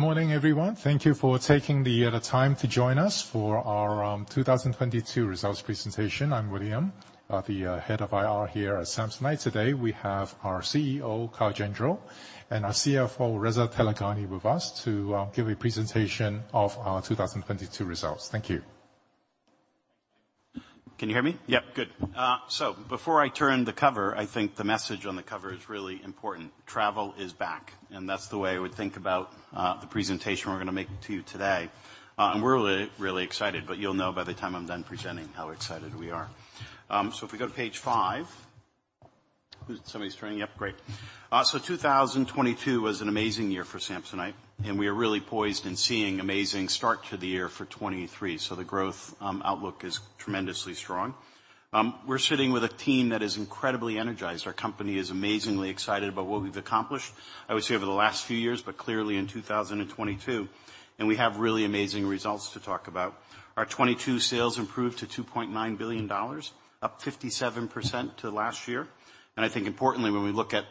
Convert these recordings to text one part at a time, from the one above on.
Good morning, everyone. Thank you for taking the time to join us for our 2022 results presentation. I'm William, the head of IR here at Samsonite today. We have our CEO, Kyle Gendreau, and our CFO, Reza Taleghani, with us to give a presentation of our 2022 results. Thank you. Can you hear me? Yep. Good. Before I turn the cover, I think the message on the cover is really important. Travel is back, that's the way I would think about the presentation we're gonna make to you today. We're really, really excited, you'll know by the time I'm done presenting how excited we are. If we go to page 5. Somebody's turning... Yep, great. 2022 was an amazing year for Samsonite, we are really poised and seeing amazing start to the year for 2023. The growth outlook is tremendously strong. We're sitting with a team that is incredibly energized. Our company is amazingly excited about what we've accomplished, I would say over the last few years, but clearly in 2022, we have really amazing results to talk about. Our 2022 sales improved to $2.9 billion, up 57% to last year. I think importantly, when we look at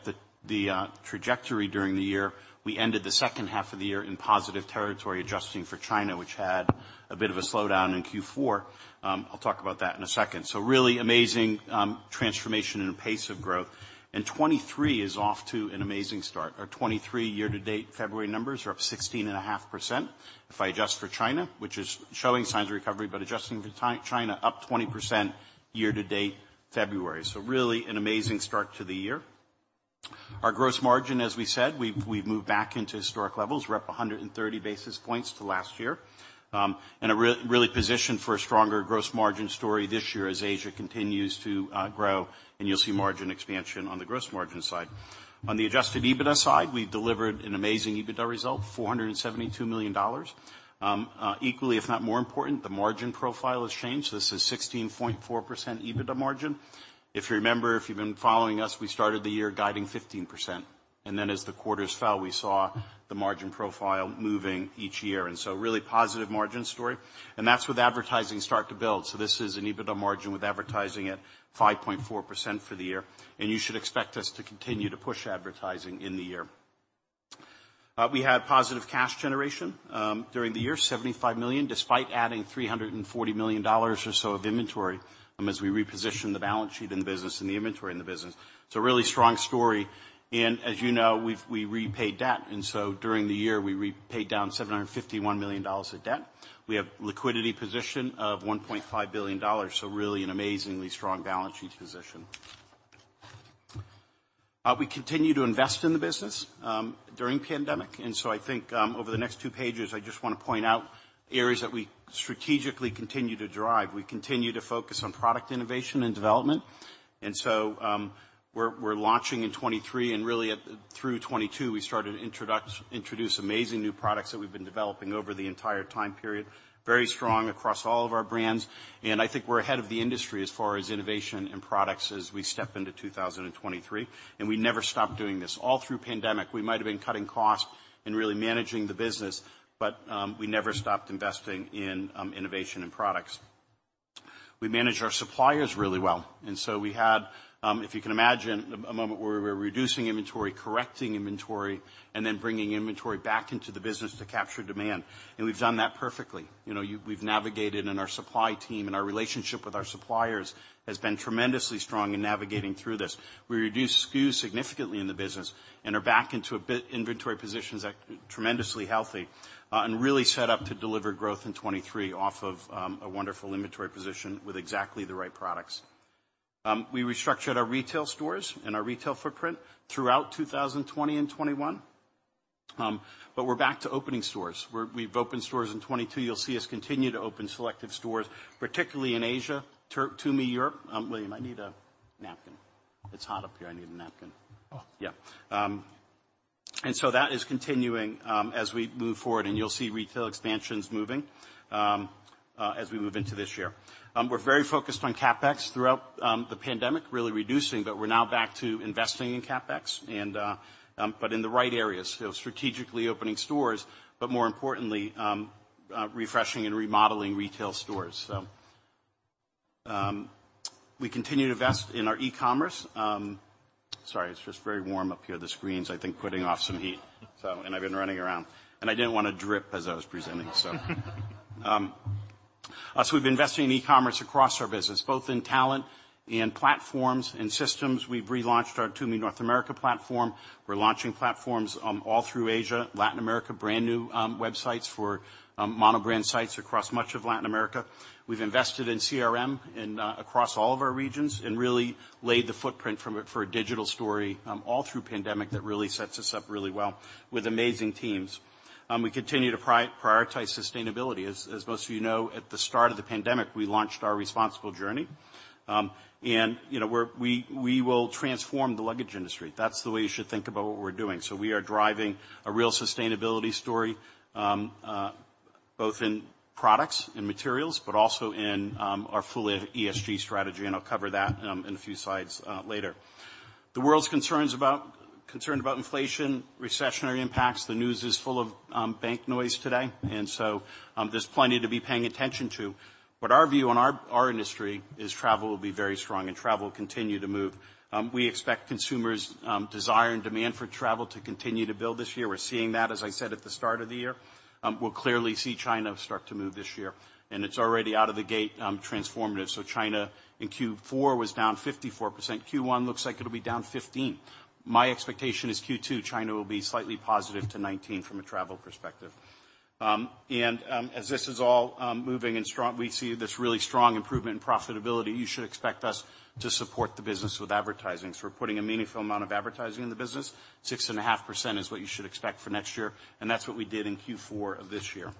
the trajectory during the year, we ended the second half of the year in positive territory, adjusting for China, which had a bit of a slowdown in Q4. I'll talk about that in a second. Really amazing transformation and pace of growth. 2023 is off to an amazing start. Our 2023 year-to-date February numbers are up 16.5%. If I adjust for China, which is showing signs of recovery, but adjusting for China, up 20% year-to-date February. Really an amazing start to the year. Our gross margin, as we said, we've moved back into historic levels. We're up 130 basis points to last year. Really positioned for a stronger gross margin story this year as Asia continues to grow, and you'll see margin expansion on the gross margin side. On the adjusted EBITDA side, we've delivered an amazing EBITDA result, $472 million. Equally, if not more important, the margin profile has changed. This is 16.4% EBITDA margin. If you remember, if you've been following us, we started the year guiding 15%, and then as the quarters fell, we saw the margin profile moving each year. Really positive margin story, and that's with advertising start to build. This is an EBITDA margin with advertising at 5.4% for the year, and you should expect us to continue to push advertising in the year. We had positive cash generation during the year, $75 million, despite adding $340 million or so of inventory as we reposition the balance sheet in the business and the inventory in the business. It's a really strong story. As you know, we repaid debt. During the year, we repaid down $751 million of debt. We have liquidity position of $1.5 billion, so really an amazingly strong balance sheet position. We continue to invest in the business during pandemic. I think over the next two pages, I just wanna point out areas that we strategically continue to drive. We continue to focus on product innovation and development. We're launching in 2023, and really through 2022 we started introduce amazing new products that we've been developing over the entire time period. Very strong across all of our brands, and I think we're ahead of the industry as far as innovation and products as we step into 2023. We never stopped doing this. All through pandemic, we might've been cutting costs and really managing the business, but we never stopped investing in innovation and products. We managed our suppliers really well. We had, if you can imagine a moment where we're reducing inventory, correcting inventory, and then bringing inventory back into the business to capture demand. We've done that perfectly. You know, we've navigated, and our supply team and our relationship with our suppliers has been tremendously strong in navigating through this. We reduced SKUs significantly in the business, are back into inventory positions tremendously healthy and really set up to deliver growth in 2023 off of a wonderful inventory position with exactly the right products. We restructured our retail stores and our retail footprint throughout 2020 and 21. We're back to opening stores. We've opened stores in 2022. You'll see us continue to open selective stores, particularly in Asia, Tumi, Europe. William, I need a napkin. It's hot up here. I need a napkin. Oh. Yeah. That is continuing as we move forward, and you'll see retail expansions moving as we move into this year. We're very focused on CapEx throughout the pandemic, really reducing, but we're now back to investing in CapEx, but in the right areas. Strategically opening stores, but more importantly, refreshing and remodeling retail stores. We continue to invest in our e-commerce. Sorry, it's just very warm up here. The screen's, I think, putting off some heat. I've been running around, and I didn't wanna drip as I was presenting. We've been investing in e-commerce across our business, both in talent and platforms and systems. We've relaunched our Tumi North America platform. We're launching platforms all through Asia, Latin America. Brand-new websites for monobrand sites across much of Latin America. We've invested in CRM across all of our regions and really laid the footprint from it for a digital story all through pandemic that really sets us up really well with amazing teams. We continue to prioritize sustainability. As most of you know, at the start of the pandemic, we launched Our Responsible Journey. You know, we're we will transform the luggage industry. That's the way you should think about what we're doing. We are driving a real sustainability story both in products and materials, but also in our full ESG strategy, and I'll cover that in a few slides later. The world's concerned about inflation, recessionary impacts. The news is full of bank noise today. There's plenty to be paying attention to. Our view on our industry is travel will be very strong and travel will continue to move. We expect consumers' desire and demand for travel to continue to build this year. We're seeing that, as I said, at the start of the year. We'll clearly see China start to move this year, and it's already out of the gate, transformative. China in Q4 was down 54%. Q1 looks like it'll be down 15%. My expectation is Q2, China will be slightly positive to 19 from a travel perspective. As this is all moving in, we see this really strong improvement in profitability, you should expect us to support the business with advertising. We're putting a meaningful amount of advertising in the business. 6.5% is what you should expect for next year. That's what we did in Q4 of this year.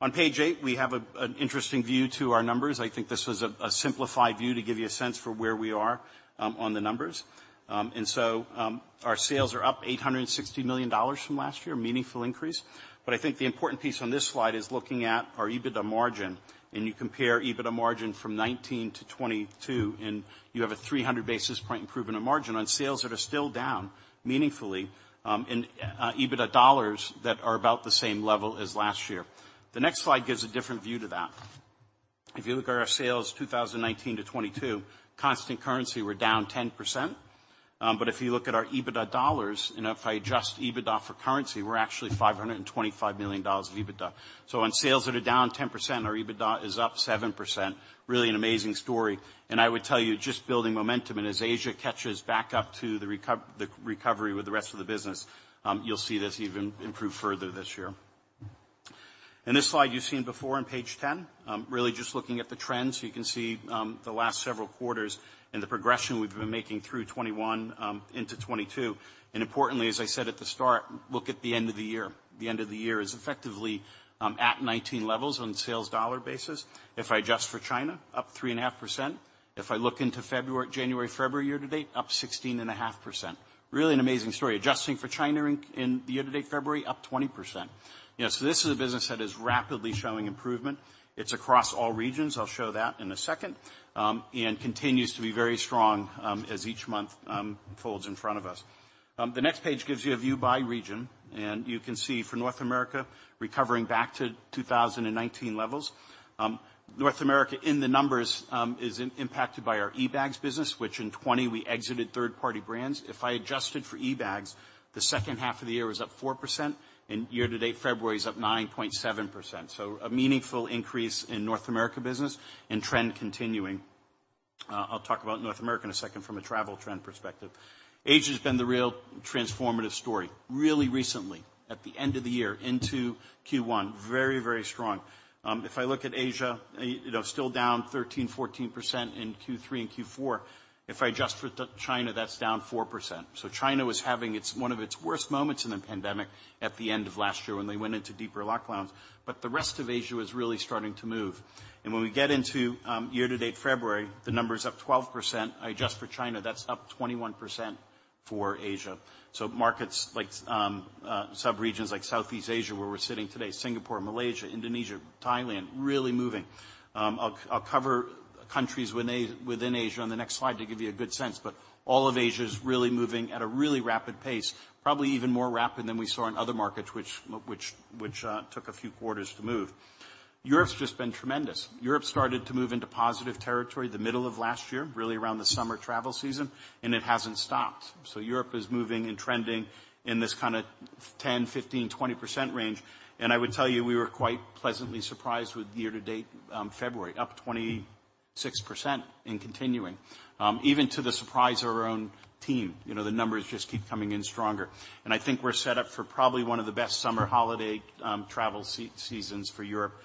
On page 8, we have an interesting view to our numbers. I think this was a simplified view to give you a sense for where we are on the numbers. Our sales are up $860 million from last year, meaningful increase. I think the important piece on this slide is looking at our EBITDA margin. You compare EBITDA margin from 2019 to 2022. You have a 300 basis point improvement in margin on sales that are still down meaningfully, EBITDA dollars that are about the same level as last year. The next slide gives a different view to that. If you look at our sales, 2019 to 2022, constant currency, we're down 10%. If you look at our EBITDA dollars, and if I adjust EBITDA for currency, we're actually $525 million of EBITDA. On sales that are down 10%, our EBITDA is up 7%. Really an amazing story. I would tell you, just building momentum, and as Asia catches back up to the recovery with the rest of the business, you'll see this even improve further this year. This slide you've seen before on page 10. Really just looking at the trends. You can see, the last several quarters and the progression we've been making through 2021, into 2022. Importantly, as I said at the start, look at the end of the year. The end of the year is effectively at 2019 levels on sales dollar basis. If I adjust for China, up 3.5%. If I look into January, February year-to-date, up 16.5%. Really an amazing story. Adjusting for China in the year-to-date February, up 20%. You know, this is a business that is rapidly showing improvement. It's across all regions. I'll show that in a second. And continues to be very strong as each month folds in front of us. The next page gives you a view by region, and you can see for North America, recovering back to 2019 levels. North America in the numbers is impacted by our eBags business, which in 2020 we exited third-party brands. If I adjusted for eBags, the second half of the year was up 4%. Year-to-date February is up 9.7%. A meaningful increase in North America business and trend continuing. I'll talk about North America in a second from a travel trend perspective. Asia has been the real transformative story. Really recently, at the end of the year into Q1, very strong. If I look at Asia, you know, still down 13%, 14% in Q3 and Q4. If I adjust for China, that's down 4%. China was having one of its worst moments in the pandemic at the end of last year when they went into deeper lockdowns. The rest of Asia was really starting to move. When we get into year-to-date February, the number's up 12%. I adjust for China, that's up 21% for Asia. Markets like subregions like Southeast Asia, where we're sitting today, Singapore, Malaysia, Indonesia, Thailand, really moving. I'll cover countries within Asia on the next slide to give you a good sense, but all of Asia is really moving at a really rapid pace, probably even more rapid than we saw in other markets which took a few quarters to move. Europe's just been tremendous. Europe started to move into positive territory the middle of last year, really around the summer travel season, it hasn't stopped. Europe is moving and trending in this kinda 10%, 15%, 20% range. I would tell you, we were quite pleasantly surprised with year-to-date February, up 26% and continuing. Even to the surprise of our own team. You know, the numbers just keep coming in stronger. I think we're set up for probably one of the best summer holiday, travel seasons for Europe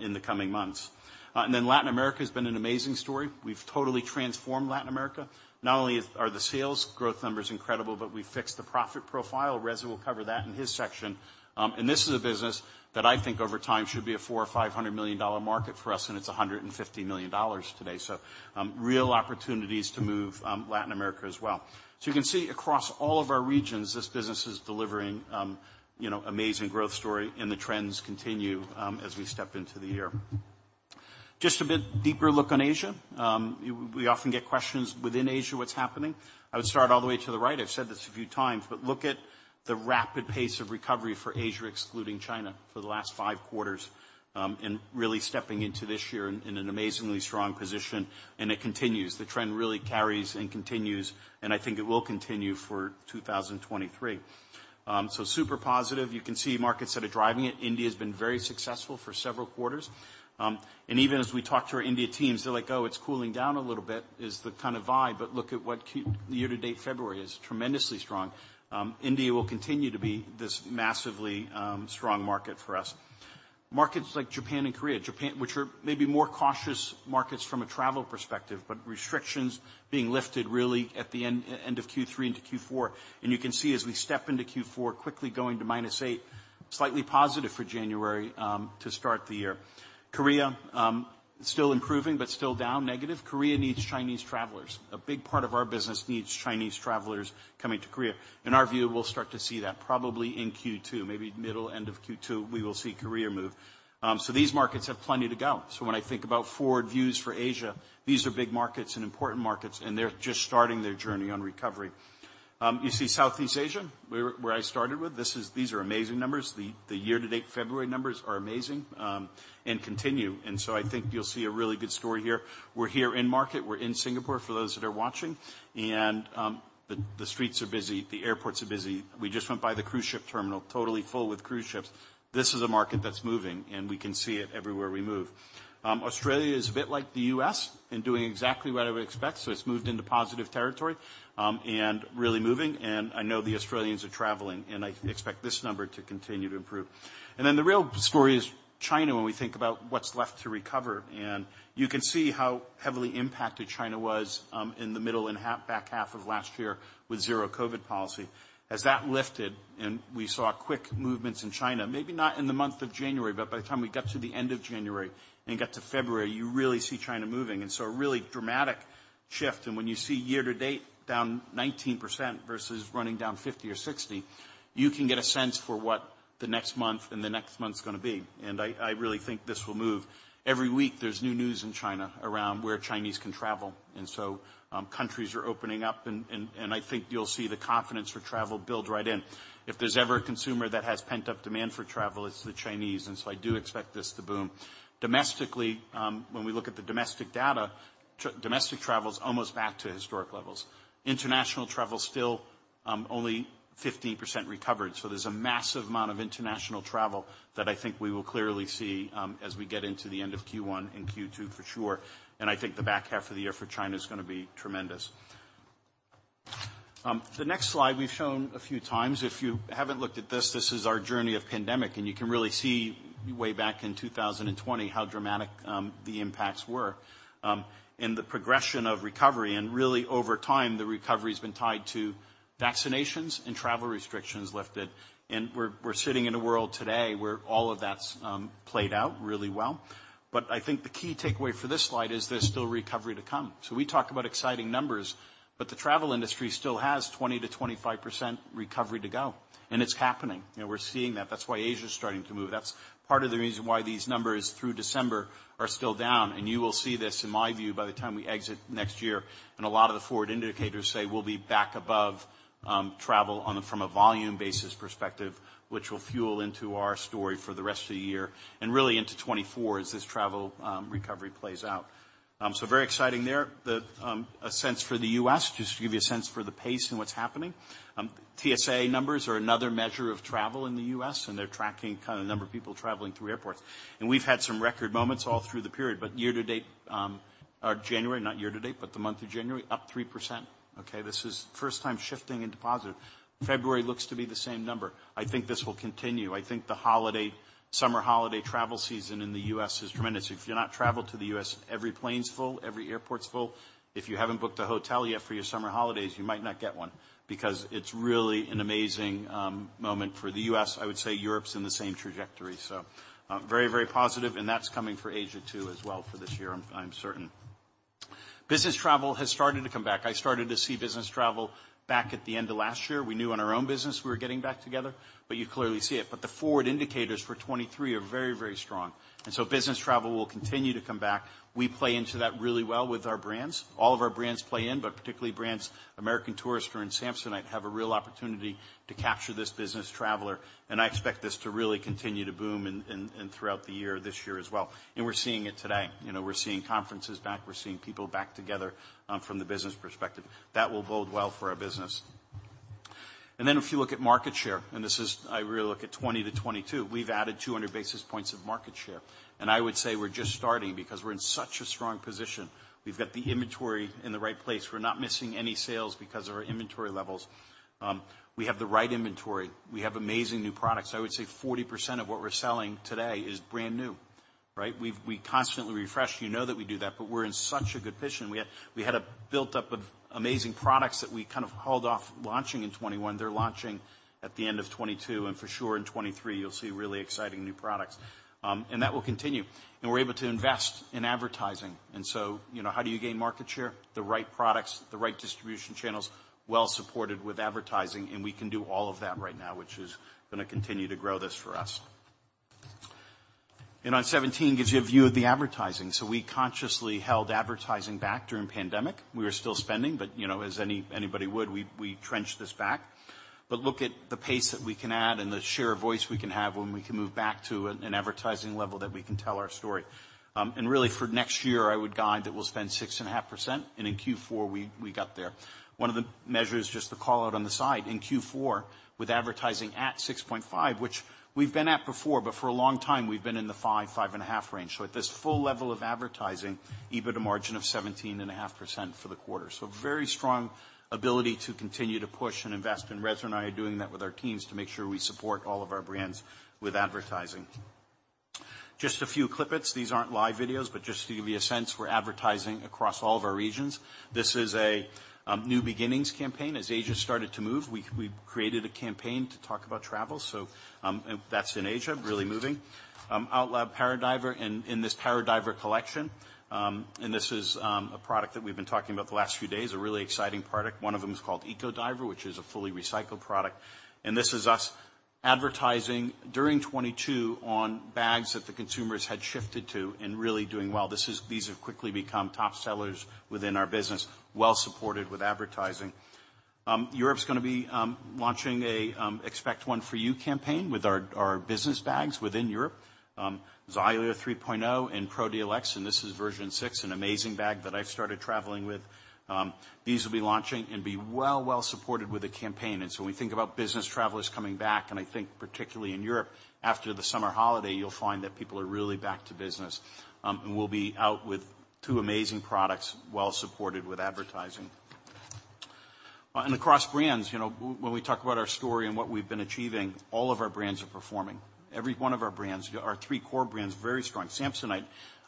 in the coming months. Latin America has been an amazing story. We've totally transformed Latin America. Not only are the sales growth numbers incredible, but we fixed the profit profile. Reza will cover that in his section. This is a business that I think over time should be a $400 million-$500 million market for us, and it's $150 million today. Real opportunities to move Latin America as well. You can see across all of our regions, this business is delivering, you know, amazing growth story and the trends continue as we step into the year. Just a bit deeper look on Asia. We often get questions within Asia what's happening. I would start all the way to the right. I've said this a few times, but look at the rapid pace of recovery for Asia, excluding China, for the last five quarters, really stepping into this year in an amazingly strong position, and it continues. The trend really carries and continues, I think it will continue for 2023. Super positive. You can see markets that are driving it. India's been very successful for several quarters. Even as we talk to our India teams, they're like, "Oh, it's cooling down a little bit," is the kind of vibe. Look at what year-to-date February is tremendously strong. India will continue to be this massively strong market for us. Markets like Japan and Korea. Which are maybe more cautious markets from a travel perspective, but restrictions being lifted really at the end of Q3 into Q4. You can see as we step into Q4, quickly going to -8%, slightly positive for January to start the year. Korea still improving, but still down negative. Korea needs Chinese travelers. A big part of our business needs Chinese travelers coming to Korea. In our view, we'll start to see that probably in Q2, maybe middle, end of Q2, we will see Korea move. These markets have plenty to go. When I think about forward views for Asia, these are big markets and important markets, and they're just starting their journey on recovery. You see Southeast Asia, where I started with. These are amazing numbers. The, the year-to-date February numbers are amazing and continue. I think you'll see a really good story here. We're here in market. We're in Singapore for those that are watching. The streets are busy. The airports are busy. We just went by the cruise ship terminal, totally full with cruise ships. This is a market that's moving, and we can see it everywhere we move. Australia is a bit like the U.S. in doing exactly what I would expect. It's moved into positive territory, and really moving, and I know the Australians are traveling, and I expect this number to continue to improve. The real story is China when we think about what's left to recover, and you can see how heavily impacted China was in the middle and back half of last year with zero COVID policy. As that lifted and we saw quick movements in China, maybe not in the month of January, but by the time we got to the end of January and got to February, you really see China moving. A really dramatic shift. When you see year to date down 19% versus running down 50% or 60%, you can get a sense for what the next month and the next month's gonna be. I really think this will move. Every week there's new news in China around where Chinese can travel. Countries are opening up, and I think you'll see the confidence for travel build right in. If there's ever a consumer that has pent-up demand for travel, it's the Chinese, I do expect this to boom. Domestically, when we look at the domestic data, domestic travel is almost back to historic levels. International travel still, only 15% recovered. There's a massive amount of international travel that I think we will clearly see, as we get into the end of Q1 and Q2 for sure. I think the back half of the year for China is gonna be tremendous. The next slide we've shown a few times. If you haven't looked at this is our journey of pandemic, and you can really see way back in 2020 how dramatic the impacts were in the progression of recovery. Really over time, the recovery's been tied to vaccinations and travel restrictions lifted. We're sitting in a world today where all of that's played out really well. I think the key takeaway for this slide is there's still recovery to come. We talk about exciting numbers, but the travel industry still has 20%-25% recovery to go, and it's happening. You know, we're seeing that. That's why Asia's starting to move. That's part of the reason why these numbers through December are still down. You will see this, in my view, by the time we exit next year. A lot of the forward indicators say we'll be back above travel from a volume basis perspective, which will fuel into our story for the rest of the year and really into 2024 as this travel recovery plays out. Very exciting there. A sense for the U.S., just to give you a sense for the pace and what's happening. TSA numbers are another measure of travel in the U.S. They're tracking kind of the number of people traveling through airports. We've had some record moments all through the period, but year to date, or January, not year to date, but the month of January, up 3%, okay? This is first time shifting into positive. February looks to be the same number. I think this will continue. I think the holiday, summer holiday travel season in the U.S. is tremendous. If you've not traveled to the U.S., every plane's full, every airport's full. If you haven't booked a hotel yet for your summer holidays, you might not get one because it's really an amazing moment for the U.S. I would say Europe's in the same trajectory. Very, very positive, and that's coming for Asia too as well for this year, I'm certain. Business travel has started to come back. I started to see business travel back at the end of last year. We knew in our own business we were getting back together, but you clearly see it. The forward indicators for 2023 are very, very strong. Business travel will continue to come back. We play into that really well with our brands. All of our brands play in, but particularly brands American Tourister and Samsonite have a real opportunity to capture this business traveler, and I expect this to really continue to boom throughout the year, this year as well. We're seeing it today. You know, we're seeing conferences back. We're seeing people back together, from the business perspective. That will bode well for our business. If you look at market share, I really look at 2020 to 2022. We've added 200 basis points of market share. I would say we're just starting because we're in such a strong position. We've got the inventory in the right place. We're not missing any sales because of our inventory levels. We have the right inventory. We have amazing new products. I would say 40% of what we're selling today is brand new, right? We constantly refresh. You know that we do that, we're in such a good position. We had a built up of amazing products that we kind of hauled off launching in 2021. They're launching at the end of 2022. For sure in 2023 you'll see really exciting new products. That will continue. We're able to invest in advertising. You know, how do you gain market share? The right products, the right distribution channels, well-supported with advertising, and we can do all of that right now, which is gonna continue to grow this for us. On 17 gives you a view of the advertising. We consciously held advertising back during pandemic. We were still spending, but, you know, as anybody would, we trenched this back. Look at the pace that we can add and the share of voice we can have when we can move back to an advertising level that we can tell our story. Really for next year, I would guide that we'll spend 6.5%, and in Q4 we got there. One of the measures, just to call out on the side, in Q4 with advertising at 6.5%, which we've been at before, but for a long time we've been in the 5.5% range. At this full level of advertising, EBITDA margin of 17.5% for the quarter. Very strong ability to continue to push and invest, and Reza and I are doing that with our teams to make sure we support all of our brands with advertising. Just a few clip-its. These aren't live videos, but just to give you a sense, we're advertising across all of our regions. This is a New Beginnings campaign. As Asia started to move, we created a campaign to talk about travel. That's in Asia, really moving. Outlab Paradiver in this Paradiver collection, and this is a product that we've been talking about the last few days, a really exciting product. One of them is called Ecodiver, which is a fully recycled product. This is U.S.-Advertising during 2022 on bags that the consumers had shifted to and really doing well. These have quickly become top sellers within our business, well supported with advertising. Europe's gonna be launching a Expect One For You campaign with our business bags within Europe. Zalia 3.0 and Pro-DLX, and this is version six, an amazing bag that I've started traveling with. These will be launching and be well supported with a campaign. When we think about business travelers coming back, and I think particularly in Europe, after the summer holiday, you'll find that people are really back to business. We'll be out with two amazing products, well supported with advertising. Across brands, you know, when we talk about our story and what we've been achieving, all of our brands are performing. Every one of our brands, our three core brands, very strong. Samsonite,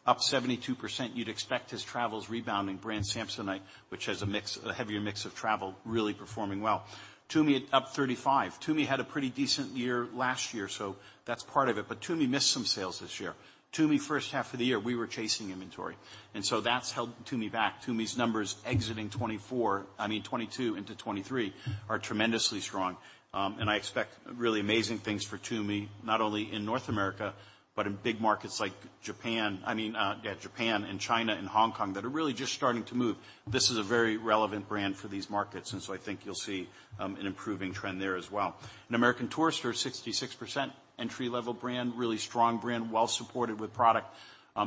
up 72%. You'd expect as travel's rebounding, brand Samsonite, which has a mix, a heavier mix of travel, really performing well. Tumi, up 35%. Tumi had a pretty decent year last year, so that's part of it. Tumi missed some sales this year. Tumi, first half of the year, we were chasing inventory, and so that's held Tumi back. Tumi's numbers exiting 2024, I mean, 2022 into 2023 are tremendously strong. I expect really amazing things for Tumi, not only in North America, but in big markets like Japan. I mean, yeah, Japan and China and Hong Kong, that are really just starting to move. This is a very relevant brand for these markets, so I think you'll see an improving trend there as well. American Tourister, 66%. Entry-level brand, really strong brand, well supported with product.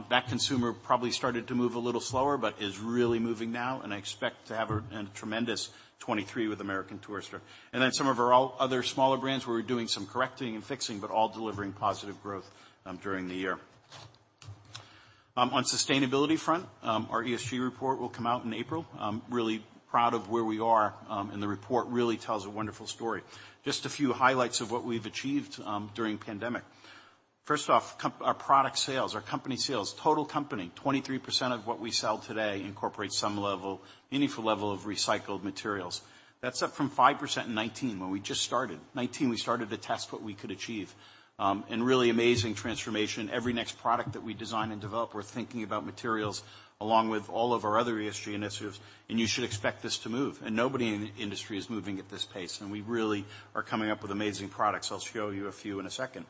That consumer probably started to move a little slower, but is really moving now, and I expect to have a tremendous 2023 with American Tourister. Then some of our other smaller brands, where we're doing some correcting and fixing, but all delivering positive growth during the year. On sustainability front, our ESG report will come out in April. I'm really proud of where we are, and the report really tells a wonderful story. Just a few highlights of what we've achieved during pandemic. First off, our product sales, our company sales, total company, 23% of what we sell today incorporates some level, meaningful level of recycled materials. That's up from 5% in 2019, when we just started. 2019, we started to test what we could achieve. Really amazing transformation. Every next product that we design and develop, we're thinking about materials along with all of our other ESG initiatives, and you should expect this to move. Nobody in the industry is moving at this pace, and we really are coming up with amazing products. I'll show you a few in a second.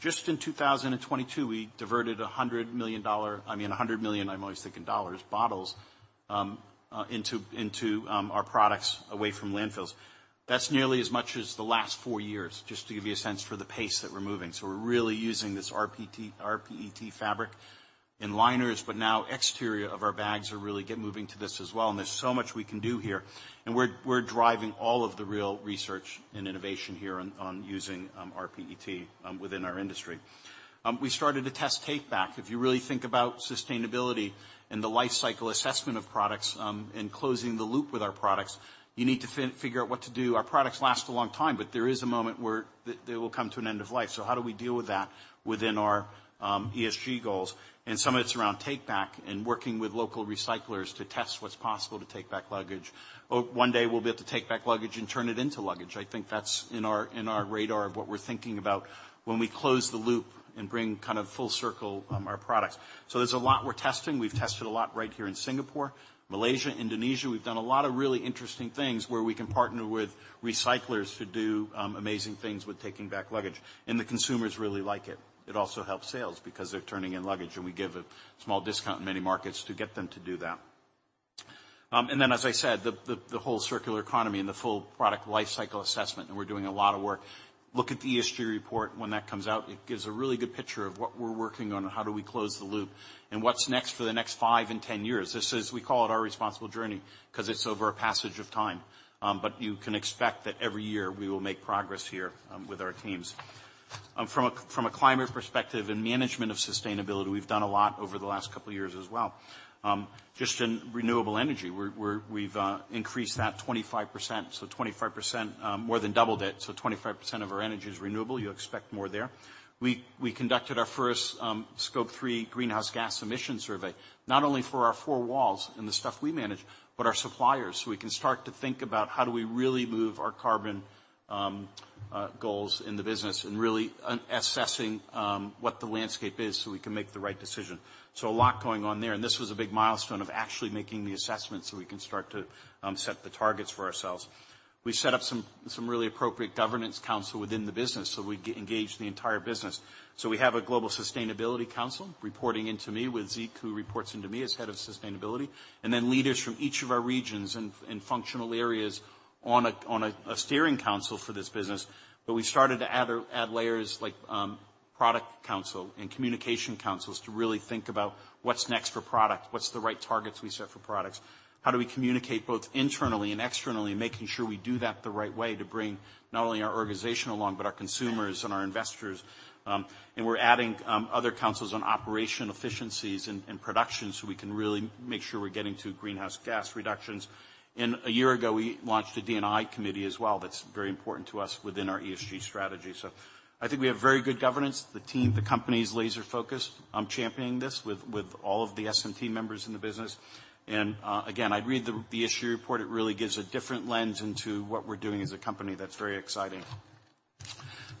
Just in 2022, we diverted $100 million, I mean, $100 million, I'm always thinking dollars, bottles into our products away from landfills. That's nearly as much as the last four years, just to give you a sense for the pace that we're moving. We're really using this rPET fabric in liners. Now exterior of our bags are really get moving to this as well, and there's so much we can do here. We're driving all of the real research and innovation here on using rPET within our industry. We started to test Take Back. If you really think about sustainability and the life cycle assessment of products, and closing the loop with our products, you need to figure out what to do. Our products last a long time, there is a moment where they will come to an end of life. How do we deal with that within our ESG goals? Some of it's around take-back and working with local recyclers to test what's possible to Take Back luggage. One day we'll be able to Take Back luggage and turn it into luggage. I think that's in our, in our radar of what we're thinking about when we close the loop and bring kind of full circle our products. There's a lot we're testing. We've tested a lot right here in Singapore, Malaysia, Indonesia. We've done a lot of really interesting things where we can partner with recyclers to do amazing things with taking back luggage, and the consumers really like it. It also helps sales because they're turning in luggage, and we give a small discount in many markets to get them to do that. As I said, the whole circular economy and the full product life cycle assessment, and we're doing a lot of work. Look at the ESG report when that comes out. It gives a really good picture of what we're working on and how do we close the loop and what's next for the next five and 10 years. This is, we call it Our Responsible Journey 'cause it's over a passage of time. You can expect that every year we will make progress here with our teams. From a climate perspective and management of sustainability, we've done a lot over the last couple years as well. Just in renewable energy, we're, we've increased that 25%. 25%, more than doubled it, so 25% of our energy is renewable. You'll expect more there. We conducted our first Scope three greenhouse gas emissions survey, not only for our four walls and the stuff we manage, but our suppliers, so we can start to think about how do we really move our carbon goals in the business and really assessing what the landscape is so we can make the right decision. A lot going on there, and this was a big milestone of actually making the assessment so we can start to set the targets for ourselves. We set up some really appropriate governance council within the business, so we engage the entire business. We have a global sustainability council reporting into me with Zeke, who reports into me as head of sustainability. Leaders from each of our regions and functional areas on a steering council for this business. We've started to add layers like product council and communication councils to really think about what's next for product. What's the right targets we set for products? How do we communicate both internally and externally, making sure we do that the right way to bring not only our organization along, but our consumers and our investors? We're adding other councils on operation efficiencies and production, so we can really make sure we're getting to greenhouse gas reductions. A year ago, we launched a D&I committee as well that's very important to us within our ESG strategy. I think we have very good governance. The team, the company is laser-focused. I'm championing this with all of the SMT members in the business. Again, I'd read the ESG report. It really gives a different lens into what we're doing as a company that's very exciting.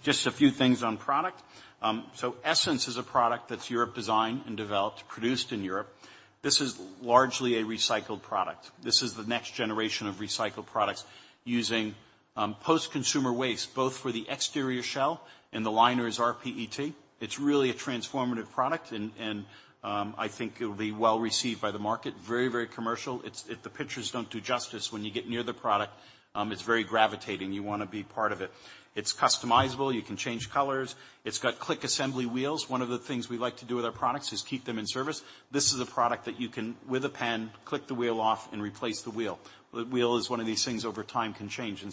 Just a few things on product. Essens is a product that's Europe designed and developed, produced in Europe. This is largely a recycled product. This is the next generation of recycled products using post-consumer waste, both for the exterior shell and the liner is rPET. It's really a transformative product and I think it'll be well-received by the market. Very commercial. If the pictures don't do justice when you get near the product, it's very gravitating. You wanna be part of it. It's customizable. You can change colors. It's got click assembly wheels. One of the things we like to do with our products is keep them in service. This is a product that you can, with a pen, click the wheel off and replace the wheel. The wheel is one of these things over time can change.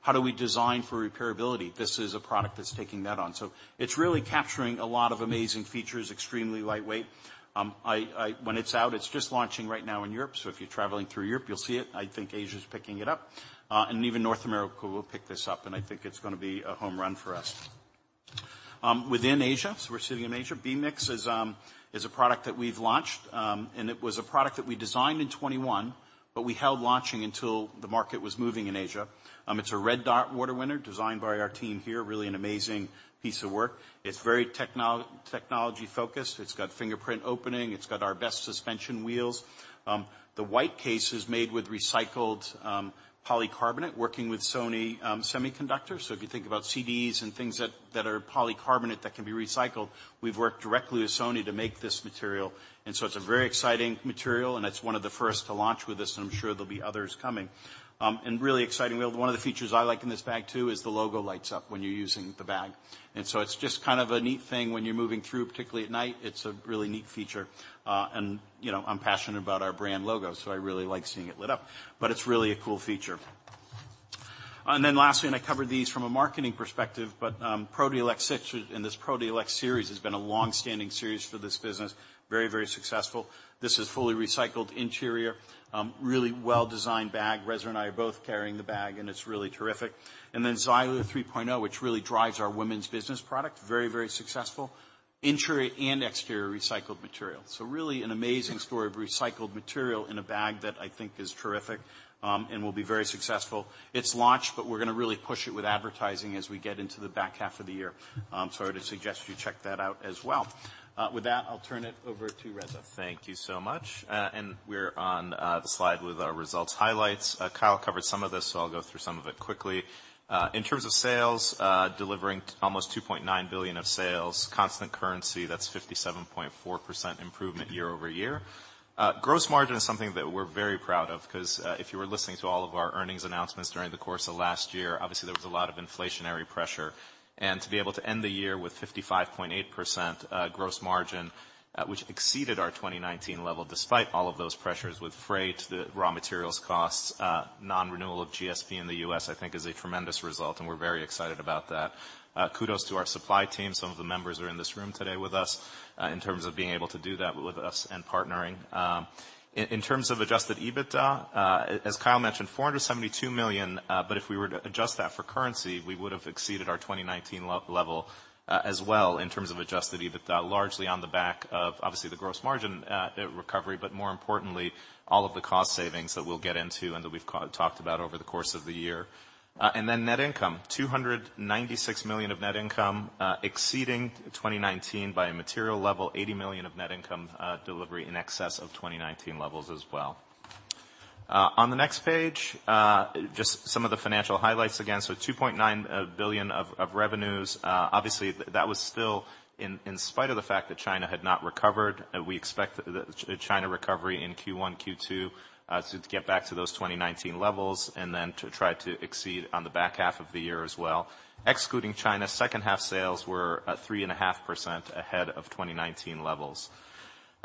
How do we design for repairability? This is a product that's taking that on. It's really capturing a lot of amazing features, extremely lightweight. When it's out, it's just launching right now in Europe, so if you're traveling through Europe, you'll see it. I think Asia's picking it up, and even North America will pick this up, and I think it's gonna be a home run for us. Within Asia, so we're sitting in Asia, BEAMIX is a product that we've launched, it was a product that we designed in 2021, but we held launching until the market was moving in Asia. It's a Red Dot Design Award winner designed by our team here, really an amazing piece of work. It's very technology focused. It's got fingerprint opening. It's got our best suspension wheels. The white case is made with recycled polycarbonate, working with Sony Semiconductor. If you think about CDs and things that are polycarbonate that can be recycled, we've worked directly with Sony to make this material. It's a very exciting material, and it's one of the first to launch with this, and I'm sure there'll be others coming. Really exciting. One of the features I like in this bag, too, is the logo lights up when you're using the bag. It's just kind of a neat thing when you're moving through, particularly at night. It's a really neat feature. You know, I'm passionate about our brand logo, so I really like seeing it lit up. It's really a cool feature. Lastly, and I covered these from a marketing perspective, Pro-DLX 6 and this Pro-DLX series has been a long-standing series for this business. Very, very successful. This is fully recycled interior. really well-designed bag. Reza and I are both carrying the bag, and it's really terrific. Zalia 3.0, which really drives our women's business product. Very, very successful. Interior and exterior recycled material. Really an amazing story of recycled material in a bag that I think is terrific, and will be very successful. It's launched, we're gonna really push it with advertising as we get into the back half of the year. I would suggest you check that out as well. With that, I'll turn it over to Reza. Thank you so much. We're on the slide with our results highlights. Kyle covered some of this. I'll go through some of it quickly. In terms of sales, delivering almost $2.9 billion of sales. Constant currency, that's 57.4% improvement year-over-year. Gross margin is something that we're very proud of, 'cause if you were listening to all of our earnings announcements during the course of last year, obviously, there was a lot of inflationary pressure. To be able to end the year with 55.8% gross margin, which exceeded our 2019 level despite all of those pressures with freight, the raw materials costs, non-renewal of GSP in the U.S., I think is a tremendous result, and we're very excited about that. Kudos to our supply team. Some of the members are in this room today with us, in terms of being able to do that with us and partnering. In terms of adjusted EBITDA, as Kyle mentioned, $472 million, but if we were to adjust that for currency, we would've exceeded our 2019 level as well in terms of adjusted EBITDA, largely on the back of, obviously, the gross margin recovery, but more importantly, all of the cost savings that we'll get into and that we've talked about over the course of the year. Net income, $296 million of net income, exceeding 2019 by a material level, $80 million of net income delivery in excess of 2019 levels as well. On the next page, just some of the financial highlights again. $2.9 billion of revenues. Obviously, that was still in spite of the fact that China had not recovered. We expect the China recovery in Q1, Q2, to get back to those 2019 levels, and then to try to exceed on the back half of the year as well. Excluding China, second half sales were at 3.5% ahead of 2019 levels.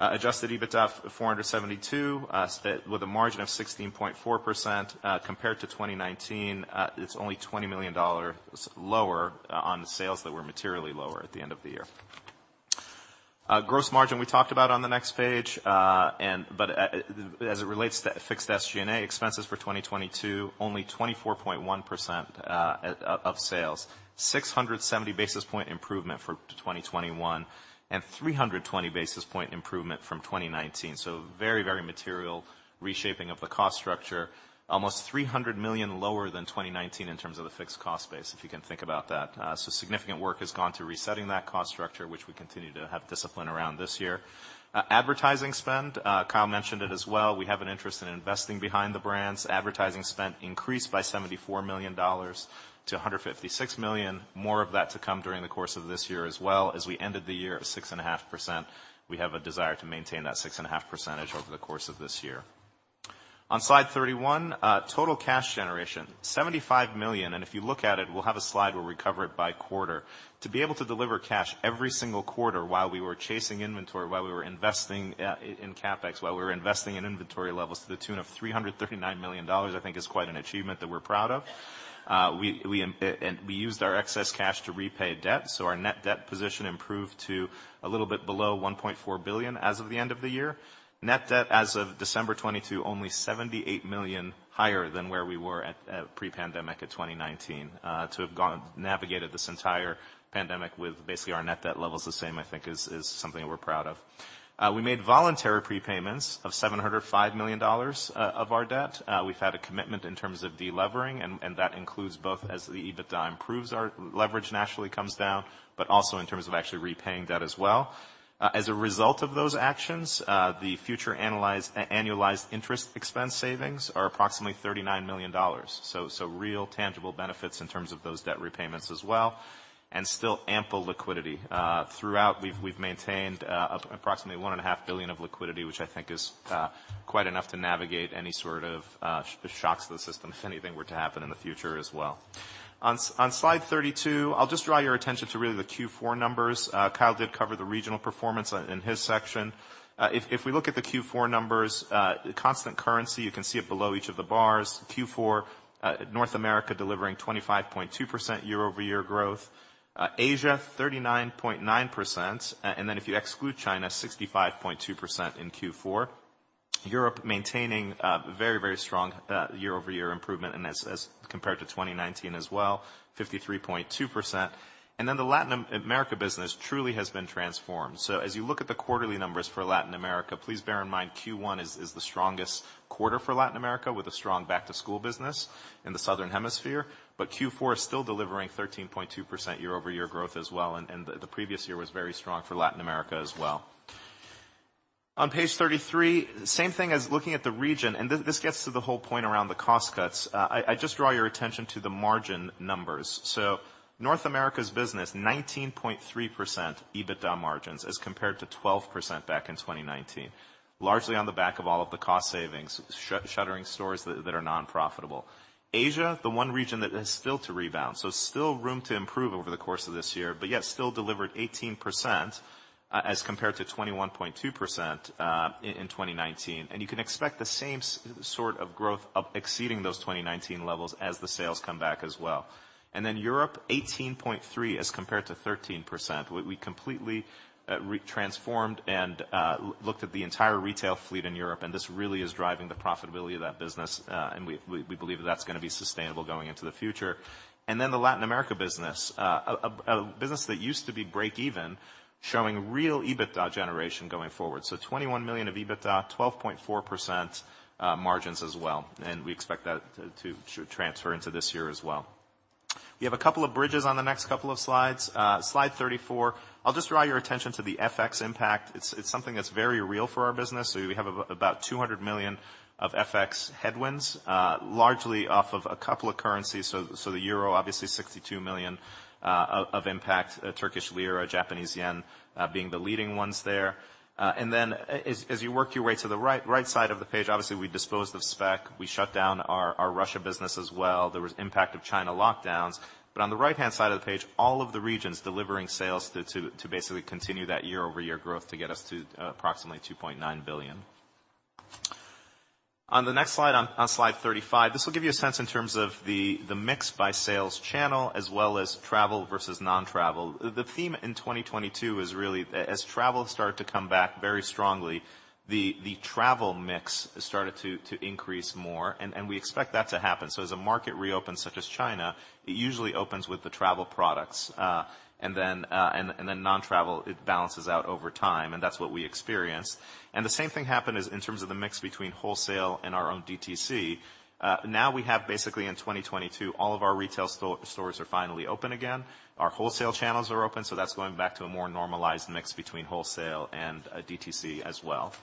Adjusted EBITDA of $472 with a margin of 16.4%, compared to 2019, it's only $20 million lower on the sales that were materially lower at the end of the year. Gross margin, we talked about on the next page. As it relates to fixed SG&A expenses for 2022, only 24.1% of sales. 670 basis points improvement for 2021, 320 basis point improvement from 2019. Very, very material reshaping of the cost structure. Almost $300 million lower than 2019 in terms of the fixed cost base, if you can think about that. Significant work has gone to resetting that cost structure, which we continue to have discipline around this year. Advertising spend, Kyle mentioned it as well. We have an interest in investing behind the brands. Advertising spend increased by $74 million to $156 million. More of that to come during the course of this year as well, as we ended the year at 6.5%. We have a desire to maintain that 6.5% over the course of this year. On slide 31, total cash generation, $75 million, and if you look at it, we'll have a slide where we cover it by quarter. To be able to deliver cash every single quarter while we were chasing inventory, while we were investing in CapEx, while we were investing in inventory levels to the tune of $339 million, I think is quite an achievement that we're proud of. We, and we used our excess cash to repay debt, so our net debt position improved to a little bit below $1.4 billion as of the end of the year. Net debt as of December 2022, only $78 million higher than where we were at pre-pandemic at 2019. To have navigated this entire pandemic with basically our net debt levels the same, I think is something we're proud of. We made voluntary prepayments of $705 million of our debt. We've had a commitment in terms of delevering, and that includes both as the EBITDA improves, our leverage naturally comes down, but also in terms of actually repaying debt as well. As a result of those actions, the future annualized interest expense savings are approximately $39 million. Real tangible benefits in terms of those debt repayments as well, and still ample liquidity. Throughout, we've maintained approximately $1.5 billion of liquidity, which I think is quite enough to navigate any sort of shocks to the system if anything were to happen in the future as well. On slide 32, I'll just draw your attention to really the Q4 numbers. Kyle did cover the regional performance in his section. If we look at the Q4 numbers, constant currency, you can see it below each of the bars. Q4, North America delivering 25.2% year-over-year growth. Asia, 39.9%. If you exclude China, 65.2% in Q4. Europe maintaining very, very strong year-over-year improvement and as compared to 2019 as well, 53.2%. The Latin America business truly has been transformed. As you look at the quarterly numbers for Latin America, please bear in mind Q1 is the strongest quarter for Latin America with a strong back-to-school business in the Southern Hemisphere. Q4 is still delivering 13.2% year-over-year growth as well. The previous year was very strong for Latin America as well. On page 33, same thing as looking at the region, this gets to the whole point around the cost cuts. I just draw your attention to the margin numbers. North America's business, 19.3% EBITDA margins as compared to 12% back in 2019, largely on the back of all of the cost savings, shutting stores that are non-profitable. Asia, the one region that has still to rebound, still room to improve over the course of this year, but yet still delivered 18% as compared to 21.2% in 2019. You can expect the same sort of growth of exceeding those 2019 levels as the sales come back as well. Europe, 18.3% as compared to 13%. We completely re-transformed and looked at the entire retail fleet in Europe, and this really is driving the profitability of that business. And we believe that that's gonna be sustainable going into the future. The Latin America business, a business that used to be break-even, showing real EBITDA generation going forward. So $21 million of EBITDA, 12.4% margins as well. We expect that to transfer into this year as well. We have a couple of bridges on the next couple of slides. Slide 34, I'll just draw your attention to the FX impact. It's something that's very real for our business. We have about $200 million of FX headwinds, largely off of a couple of currencies. The euro, obviously 62 million of impact. Turkish lira, Japanese yen, being the leading ones there. As you work your way to the right side of the page, obviously, we disposed of Speck. We shut down our Russia business as well. There was impact of China lockdowns. On the right-hand side of the page, all of the regions delivering sales to basically continue that year-over-year growth to get us to approximately $2.9 billion. On the next slide, on slide 35, this will give you a sense in terms of the mix by sales channel as well as travel versus non-travel. The theme in 2022 is really as travel started to come back very strongly, the travel mix started to increase more, and we expect that to happen. As a market reopens, such as China, it usually opens with the travel products, and then non-travel, it balances out over time, and that's what we experienced. The same thing happened in terms of the mix between wholesale and our own DTC. Now we have basically in 2022, all of our retail stores are finally open again. Our wholesale channels are open, that's going back to a more normalized mix between wholesale and DTC as well.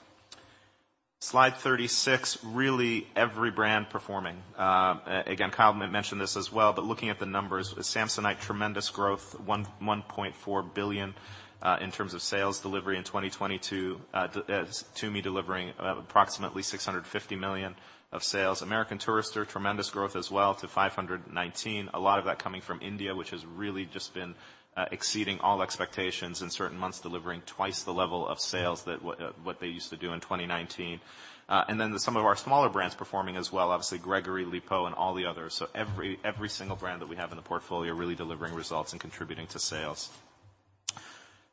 Slide 36, really every brand performing. Again, Kyle mentioned this as well, but looking at the numbers, Samsonite, tremendous growth, $1.4 billion in terms of sales delivery in 2022. Tumi delivering approximately $650 million of sales. American Tourister, tremendous growth as well to $519 million. A lot of that coming from India, which has really just been exceeding all expectations in certain months, delivering twice the level of sales that what they used to do in 2019. Some of our smaller brands performing as well, obviously, Gregory, Lipault, and all the others. Every single brand that we have in the portfolio really delivering results and contributing to sales.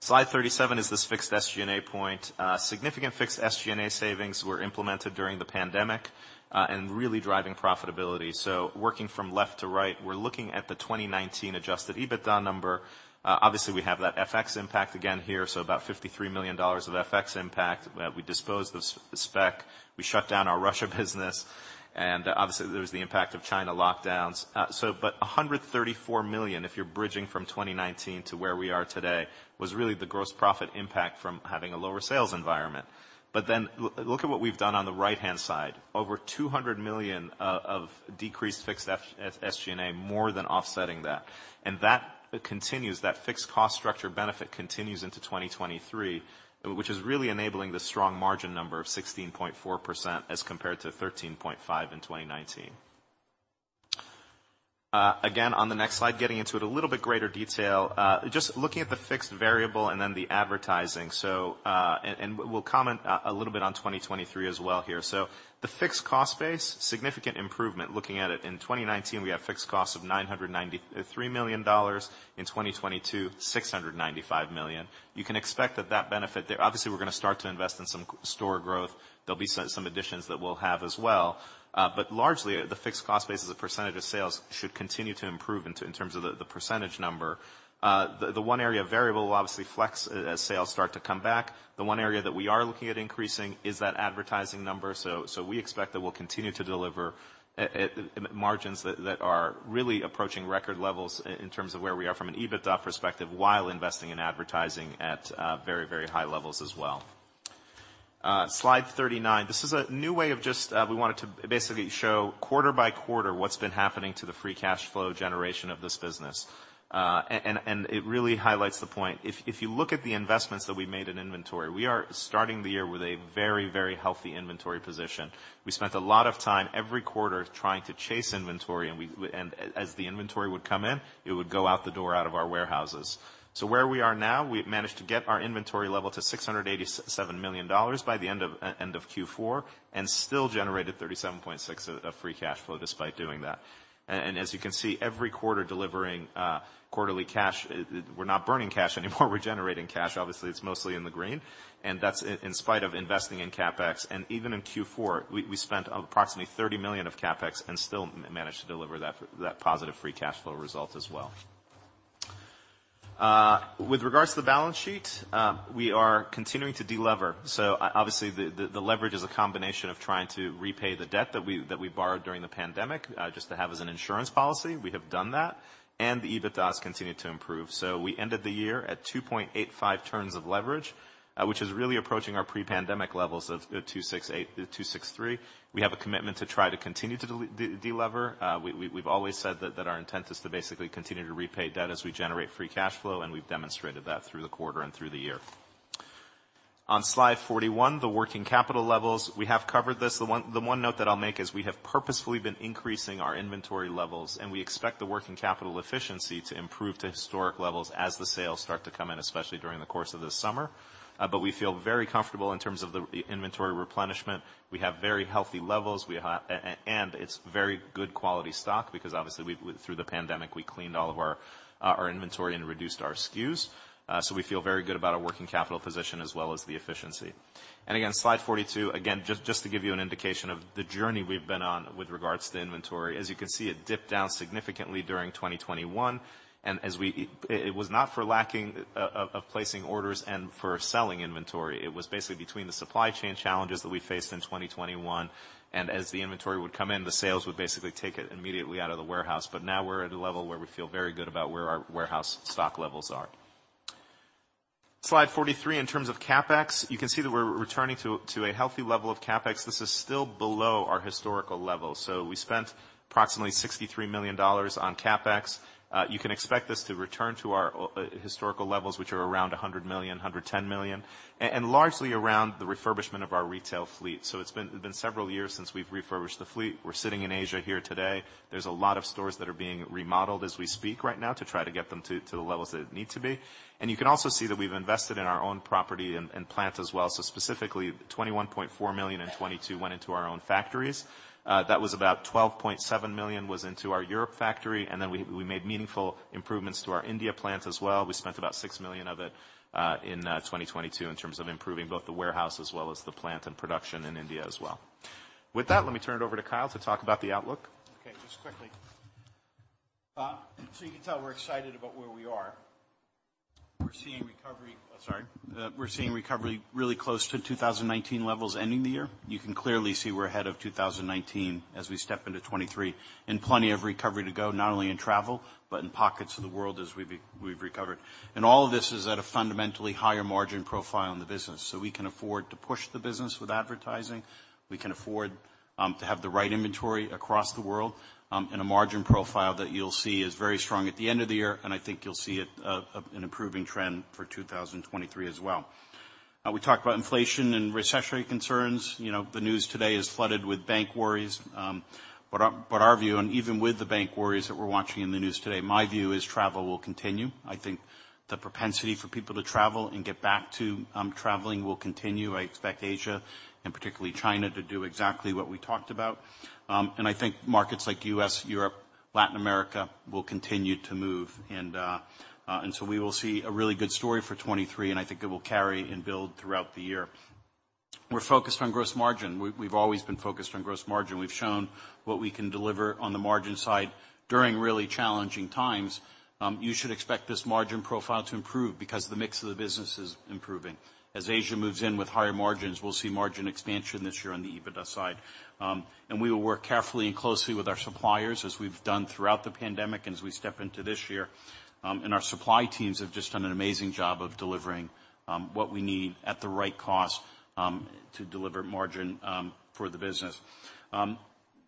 Slide 37 is this fixed SG&A point. Significant fixed SG&A savings were implemented during the pandemic and really driving profitability. Working from left to right, we're looking at the 2019 adjusted EBITDA number. Obviously, we have that FX impact again here, so about $53 million of FX impact. We disposed of Speck. We shut down our Russia business. Obviously, there was the impact of China lockdowns. $134 million, if you're bridging from 2019 to where we are today, was really the gross profit impact from having a lower sales environment. Look at what we've done on the right-hand side. Over $200 million of decreased fixed SG&A more than offsetting that. That continues. That fixed cost structure benefit continues into 2023, which is really enabling the strong margin number of 16.4% as compared to 13.5% in 2019. Again, on the next slide, getting into it a little bit greater detail. Just looking at the fixed variable and then the advertising. And, and we'll comment a little bit on 2023 as well here. The fixed cost base, significant improvement. Looking at it in 2019, we have fixed costs of $993 million. In 2022, $695 million. You can expect that that benefit there. Obviously, we're gonna start to invest in some store growth. There'll be some additions that we'll have as well. Largely, the fixed cost base as a percentage of sales should continue to improve in terms of the percentage number. The one area variable will obviously flex as sales start to come back. The one area that we are looking at increasing is that advertising number. We expect that we'll continue to deliver at margins that are really approaching record levels in terms of where we are from an EBITDA perspective, while investing in advertising at very high levels as well. Slide 39. This is a new way of just, we wanted to basically show quarter by quarter what's been happening to the free cash flow generation of this business. It really highlights the point. If you look at the investments that we made in inventory, we are starting the year with a very, very healthy inventory position. We spent a lot of time every quarter trying to chase inventory, and as the inventory would come in, it would go out the door out of our warehouses. Where we are now, we've managed to get our inventory level to $687 million by the end of Q4, and still generated $37.6 of free cash flow despite doing that. As you can see, every quarter delivering quarterly cash. We're not burning cash anymore, we're generating cash. Obviously, it's mostly in the green, and that's in spite of investing in CapEx. Even in Q4, we spent approximately $30 million of CapEx and still managed to deliver that positive free cash flow result as well. With regards to the balance sheet, we are continuing to de-lever. Obviously, the leverage is a combination of trying to repay the debt that we borrowed during the pandemic, just to have as an insurance policy. We have done that. The EBITDAs continue to improve. We ended the year at 2.85x turns of leverage, which is really approaching our pre-pandemic levels of 268-263. We have a commitment to try to continue to delever. We've always said that our intent is to basically continue to repay debt as we generate free cash flow, and we've demonstrated that through the quarter and through the year. On slide 41, the working capital levels. We have covered this. The one note that I'll make is we have purposefully been increasing our inventory levels, and we expect the working capital efficiency to improve to historic levels as the sales start to come in, especially during the course of the summer. We feel very comfortable in terms of the inventory replenishment. We have very healthy levels. And it's very good quality stock because obviously, we through the pandemic, we cleaned all of our inventory and reduced our SKUs. We feel very good about our working capital position as well as the efficiency. Again, slide 42. Just to give you an indication of the journey we've been on with regards to inventory. As you can see, it dipped down significantly during 2021. It was not for lacking of placing orders and for selling inventory. It was basically between the supply chain challenges that we faced in 2021, and as the inventory would come in, the sales would basically take it immediately out of the warehouse. Now we're at a level where we feel very good about where our warehouse stock levels are. Slide 43. In terms of CapEx, you can see that we're returning to a healthy level of CapEx. This is still below our historical levels. We spent approximately $63 million on CapEx. You can expect this to return to our historical levels, which are around $100 million-$110 million, and largely around the refurbishment of our retail fleet. It's been several years since we've refurbished the fleet. We're sitting in Asia here today. There's a lot of stores that are being remodeled as we speak right now to try to get them to the levels that it need to be. You can also see that we've invested in our own property and plant as well. Specifically, $21.4 million in 2022 went into our own factories. That was about $12.7 million went into our Europe factory. Then we made meaningful improvements to our India plant as well. We spent about $6 million of it in 2022 in terms of improving both the warehouse as well as the plant and production in India as well. With that, let me turn it over to Kyle to talk about the outlook. Okay, just quickly. You can tell we're excited about where we are. We're seeing recovery... Sorry. We're seeing recovery really close to 2019 levels ending the year. You can clearly see we're ahead of 2019 as we step into 2023. Plenty of recovery to go, not only in travel, but in pockets of the world as we've recovered. All of this is at a fundamentally higher margin profile in the business. We can afford to push the business with advertising. We can afford to have the right inventory across the world, and a margin profile that you'll see is very strong at the end of the year, and I think you'll see an improving trend for 2023 as well. We talked about inflation and recessionary concerns. You know, the news today is flooded with bank worries. Our view, and even with the bank worries that we're watching in the news today, my view is travel will continue. I think the propensity for people to travel and get back to traveling will continue. I expect Asia, and particularly China, to do exactly what we talked about. I think markets like U.S., Europe, Latin America, will continue to move. We will see a really good story for 2023, and I think it will carry and build throughout the year. We're focused on gross margin. We've always been focused on gross margin. We've shown what we can deliver on the margin side during really challenging times. You should expect this margin profile to improve because the mix of the business is improving. As Asia moves in with higher margins, we'll see margin expansion this year on the EBITDA side. We will work carefully and closely with our suppliers as we've done throughout the pandemic and as we step into this year. Our supply teams have just done an amazing job of delivering what we need at the right cost to deliver margin for the business.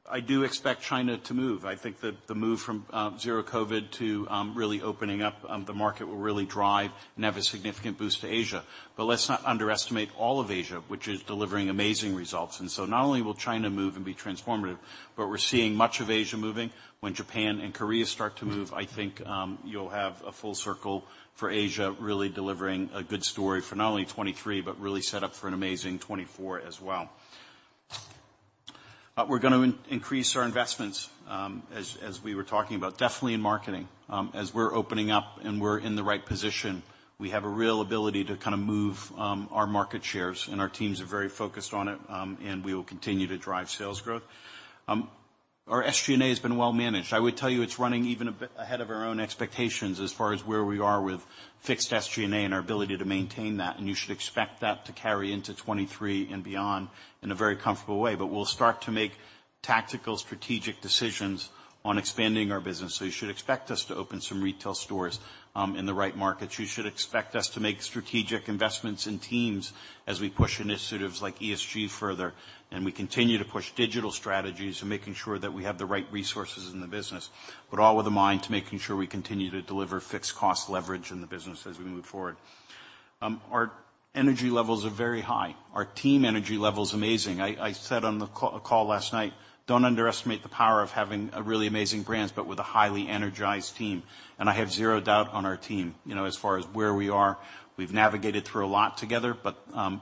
I do expect China to move. I think that the move from zero COVID to really opening up the market will really drive and have a significant boost to Asia. Let's not underestimate all of Asia, which is delivering amazing results. Not only will China move and be transformative, but we're seeing much of Asia moving. When Japan and Korea start to move, I think, you'll have a full circle for Asia really delivering a good story for not only 2023, but really set up for an amazing 2024 as well. We're gonna increase our investments, as we were talking about, definitely in marketing. As we're opening up and we're in the right position, we have a real ability to kinda move our market shares, and our teams are very focused on it, and we will continue to drive sales growth. Our SG&A has been well managed. I would tell you it's running even a bit ahead of our own expectations as far as where we are with fixed SG&A and our ability to maintain that. You should expect that to carry into 2023 and beyond in a very comfortable way. We'll start to make tactical strategic decisions on expanding our business. You should expect us to open some retail stores in the right markets. You should expect us to make strategic investments in teams as we push initiatives like ESG further, and we continue to push digital strategies and making sure that we have the right resources in the business. All with a mind to making sure we continue to deliver fixed cost leverage in the business as we move forward. Our energy levels are very high. Our team energy level is amazing. I said on the call last night, don't underestimate the power of having a really amazing brands, but with a highly energized team, and I have zero doubt on our team. You know, as far as where we are, we've navigated through a lot together,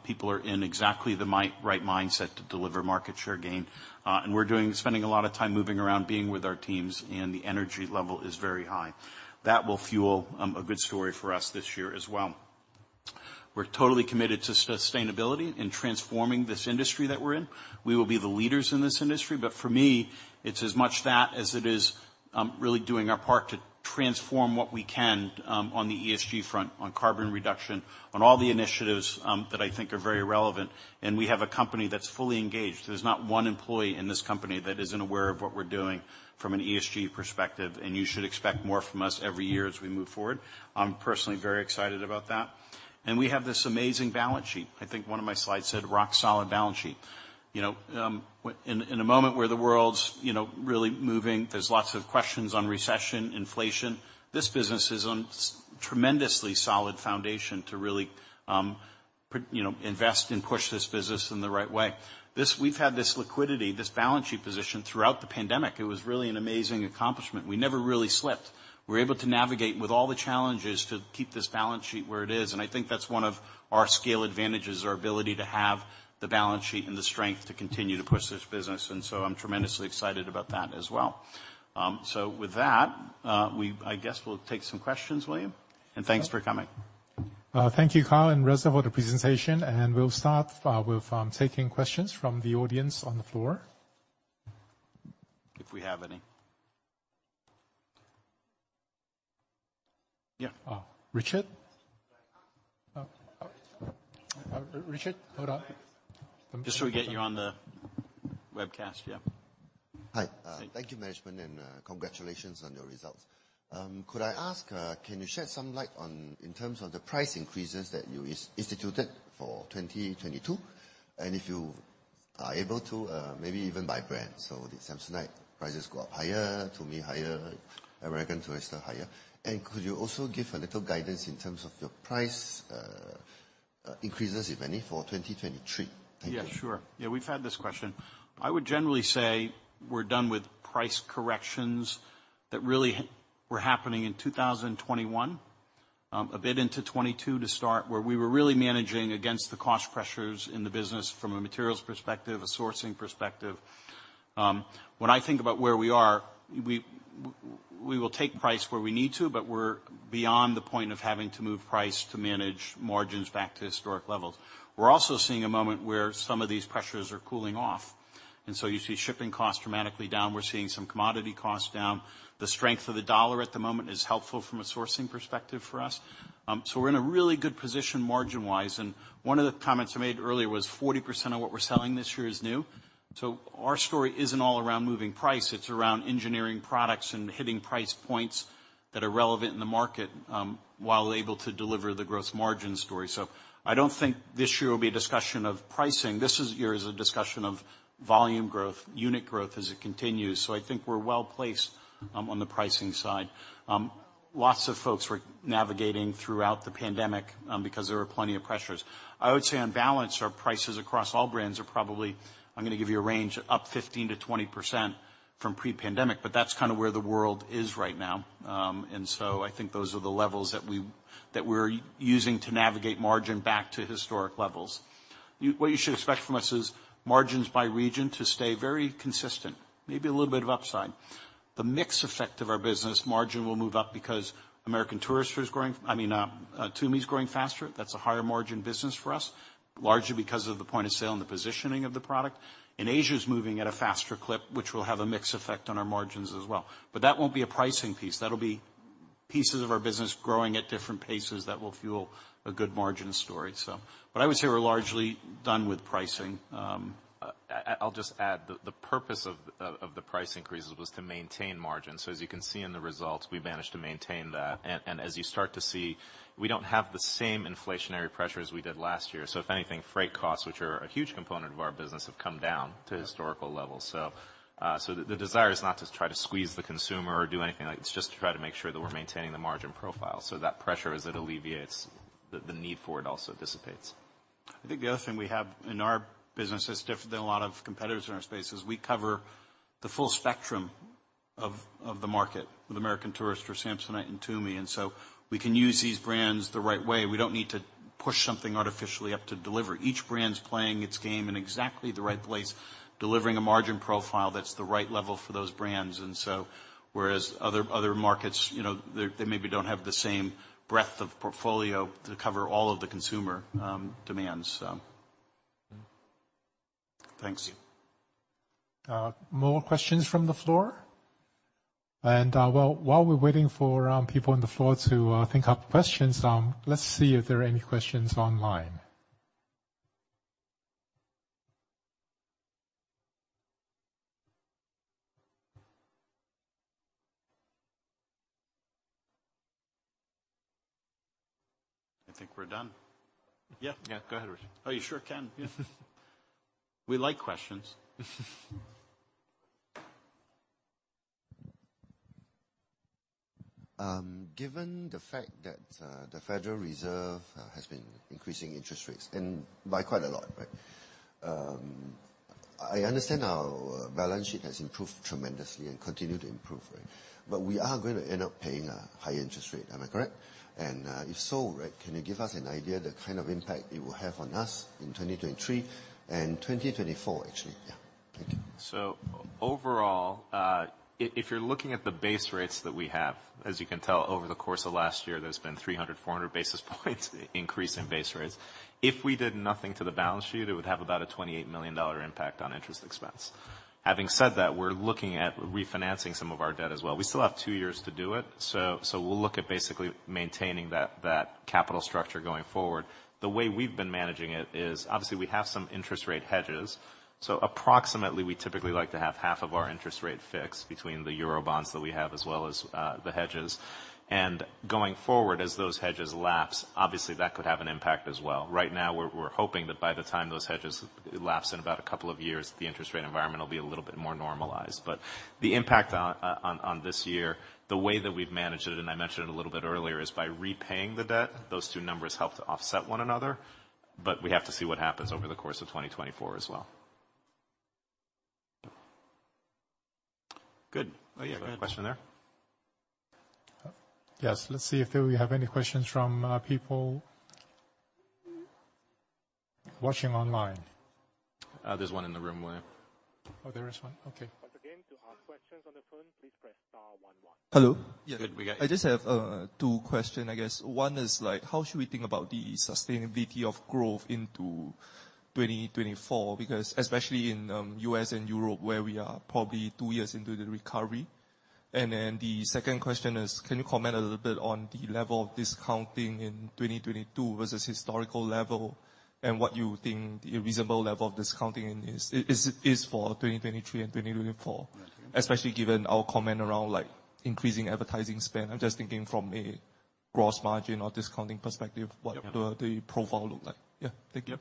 people are in exactly the right mindset to deliver market share gain. We're spending a lot of time moving around, being with our teams, and the energy level is very high. That will fuel a good story for us this year as well. We're totally committed to sustainability and transforming this industry that we're in. We will be the leaders in this industry. For me, it's as much that as it is really doing our part to transform what we can on the ESG front, on carbon reduction, on all the initiatives that I think are very relevant, and we have a company that's fully engaged. There's not one employee in this company that isn't aware of what we're doing from an ESG perspective, you should expect more from us every year as we move forward. I'm personally very excited about that. We have this amazing balance sheet. I think one of my slides said, Rock-solid balance sheet. You know, in a moment where the world's, you know, really moving, there's lots of questions on recession, inflation, this business is on tremendously solid foundation to really, invest and push this business in the right way. We've had this liquidity, this balance sheet position throughout the pandemic. It was really an amazing accomplishment. We never really slipped. We were able to navigate with all the challenges to keep this balance sheet where it is, and I think that's one of our scale advantages, our ability to have the balance sheet and the strength to continue to push this business. I'm tremendously excited about that as well. With that, I guess we'll take some questions, William, Thanks for coming. Thank you, Kyle and Reza, for the presentation. We'll start with taking questions from the audience on the floor. If we have any. Yeah. Richard. Richard, hold on. Just so we get you on the webcast. Yeah. Hi. Thank you, management, and congratulations on your results. Could I ask, can you shed some light on, in terms of the price increases that you instituted for 2022, and if you are able to, maybe even by brand. Did Samsonite prices go up higher, Tumi higher, American Tourister higher? Could you also give a little guidance in terms of your price, increases, if any, for 2023? Thank you. Yeah, sure. Yeah, we've had this question. I would generally say we're done with price corrections that really were happening in 2021, a bit into 2022 to start, where we were really managing against the cost pressures in the business from a materials perspective, a sourcing perspective. When I think about where we are, we will take price where we need to, but we're beyond the point of having to move price to manage margins back to historic levels. We're also seeing a moment where some of these pressures are cooling off, and so you see shipping costs dramatically down. We're seeing some commodity costs down. The strength of the dollar at the moment is helpful from a sourcing perspective for us. We're in a really good position margin-wise, and one of the comments I made earlier was 40% of what we're selling this year is new. Our story isn't all around moving price, it's around engineering products and hitting price points that are relevant in the market, while able to deliver the gross margin story. I don't think this year will be a discussion of pricing. This is year as a discussion of volume growth, unit growth as it continues. I think we're well-placed, on the pricing side. Lots of folks were navigating throughout the pandemic, because there were plenty of pressures. I would say on balance, our prices across all brands are probably, I'm gonna give you a range, up 15%-20% from pre-pandemic, but that's kind of where the world is right now. I think those are the levels that we, that we're using to navigate margin back to historic levels. What you should expect from us is margins by region to stay very consistent, maybe a little bit of upside. The mix effect of our business margin will move up because American Tourister is growing. I mean, Tumi is growing faster. That's a higher margin business for us, largely because of the point of sale and the positioning of the product. Asia's moving at a faster clip, which will have a mix effect on our margins as well. That won't be a pricing piece. That'll be pieces of our business growing at different paces that will fuel a good margin story. I would say we're largely done with pricing. I'll just add, the purpose of the price increases was to maintain margins. As you can see in the results, we managed to maintain that. As you start to see, we don't have the same inflationary pressures we did last year. If anything, freight costs, which are a huge component of our business, have come down to historical levels. The desire is not to try to squeeze the consumer or do anything like. It's just to try to make sure that we're maintaining the margin profile. That pressure, as it alleviates, the need for it also dissipates. I think the other thing we have in our business that's different than a lot of competitors in our space is we cover the full spectrum of the market with American Tourister, Samsonite, and Tumi. So we can use these brands the right way. We don't need to push something artificially up to deliver. Each brand's playing its game in exactly the right place, delivering a margin profile that's the right level for those brands. Whereas other markets, you know, they maybe don't have the same breadth of portfolio to cover all of the consumer demands. Thanks. More questions from the floor? While we're waiting for people on the floor to think up questions, let's see if there are any questions online. I think we're done. Yeah. Yeah. Go ahead, Richard. Oh, you sure can. Yeah. We like questions. Given the fact that the Federal Reserve has been increasing interest rates and by quite a lot, right? I understand our balance sheet has improved tremendously and continue to improve, right? We are going to end up paying a high interest rate. Am I correct? If so, right, can you give us an idea the kind of impact it will have on us in 2023 and 2024, actually? Thank you. Overall, if you're looking at the base rates that we have, as you can tell over the course of last year, there's been 300, 400 basis points increase in base rates. If we did nothing to the balance sheet, it would have about a $28 million impact on interest expense. Having said that, we're looking at refinancing some of our debt as well. We still have two years to do it, so we'll look at basically maintaining that capital structure going forward. The way we've been managing it is obviously we have some interest rate hedges. Approximately, we typically like to have half of our interest rate fixed between the Eurobonds that we have as well as the hedges. Going forward, as those hedges lapse, obviously that could have an impact as well. Right now we're hoping that by the time those hedges lapse in about a couple of years, the interest rate environment will be a little bit more normalized. The impact on this year, the way that we've managed it, and I mentioned it a little bit earlier, is by repaying the debt. Those two numbers help to offset one another, but we have to see what happens over the course of 2024 as well. Good. Oh yeah, go ahead. Question there. Yes. Let's see if we have any questions from people watching online. There's one in the room, William. Oh, there is one? Okay. Once again, to ask questions on the phone, please press star one one. Hello. Yes. Good. We got you. I just have two question, I guess. One is like, how should we think about the sustainability of growth into 2024? Especially in U.S. and Europe, where we are probably two years into the recovery. The second question is, can you comment a little bit on the level of discounting in 2022 versus historical level and what you think the reasonable level of discounting is for 2023 and 2024, especially given our comment around like increasing advertising spend. I'm just thinking from a gross margin or discounting perspective, what the profile look like. Yeah. Thank you.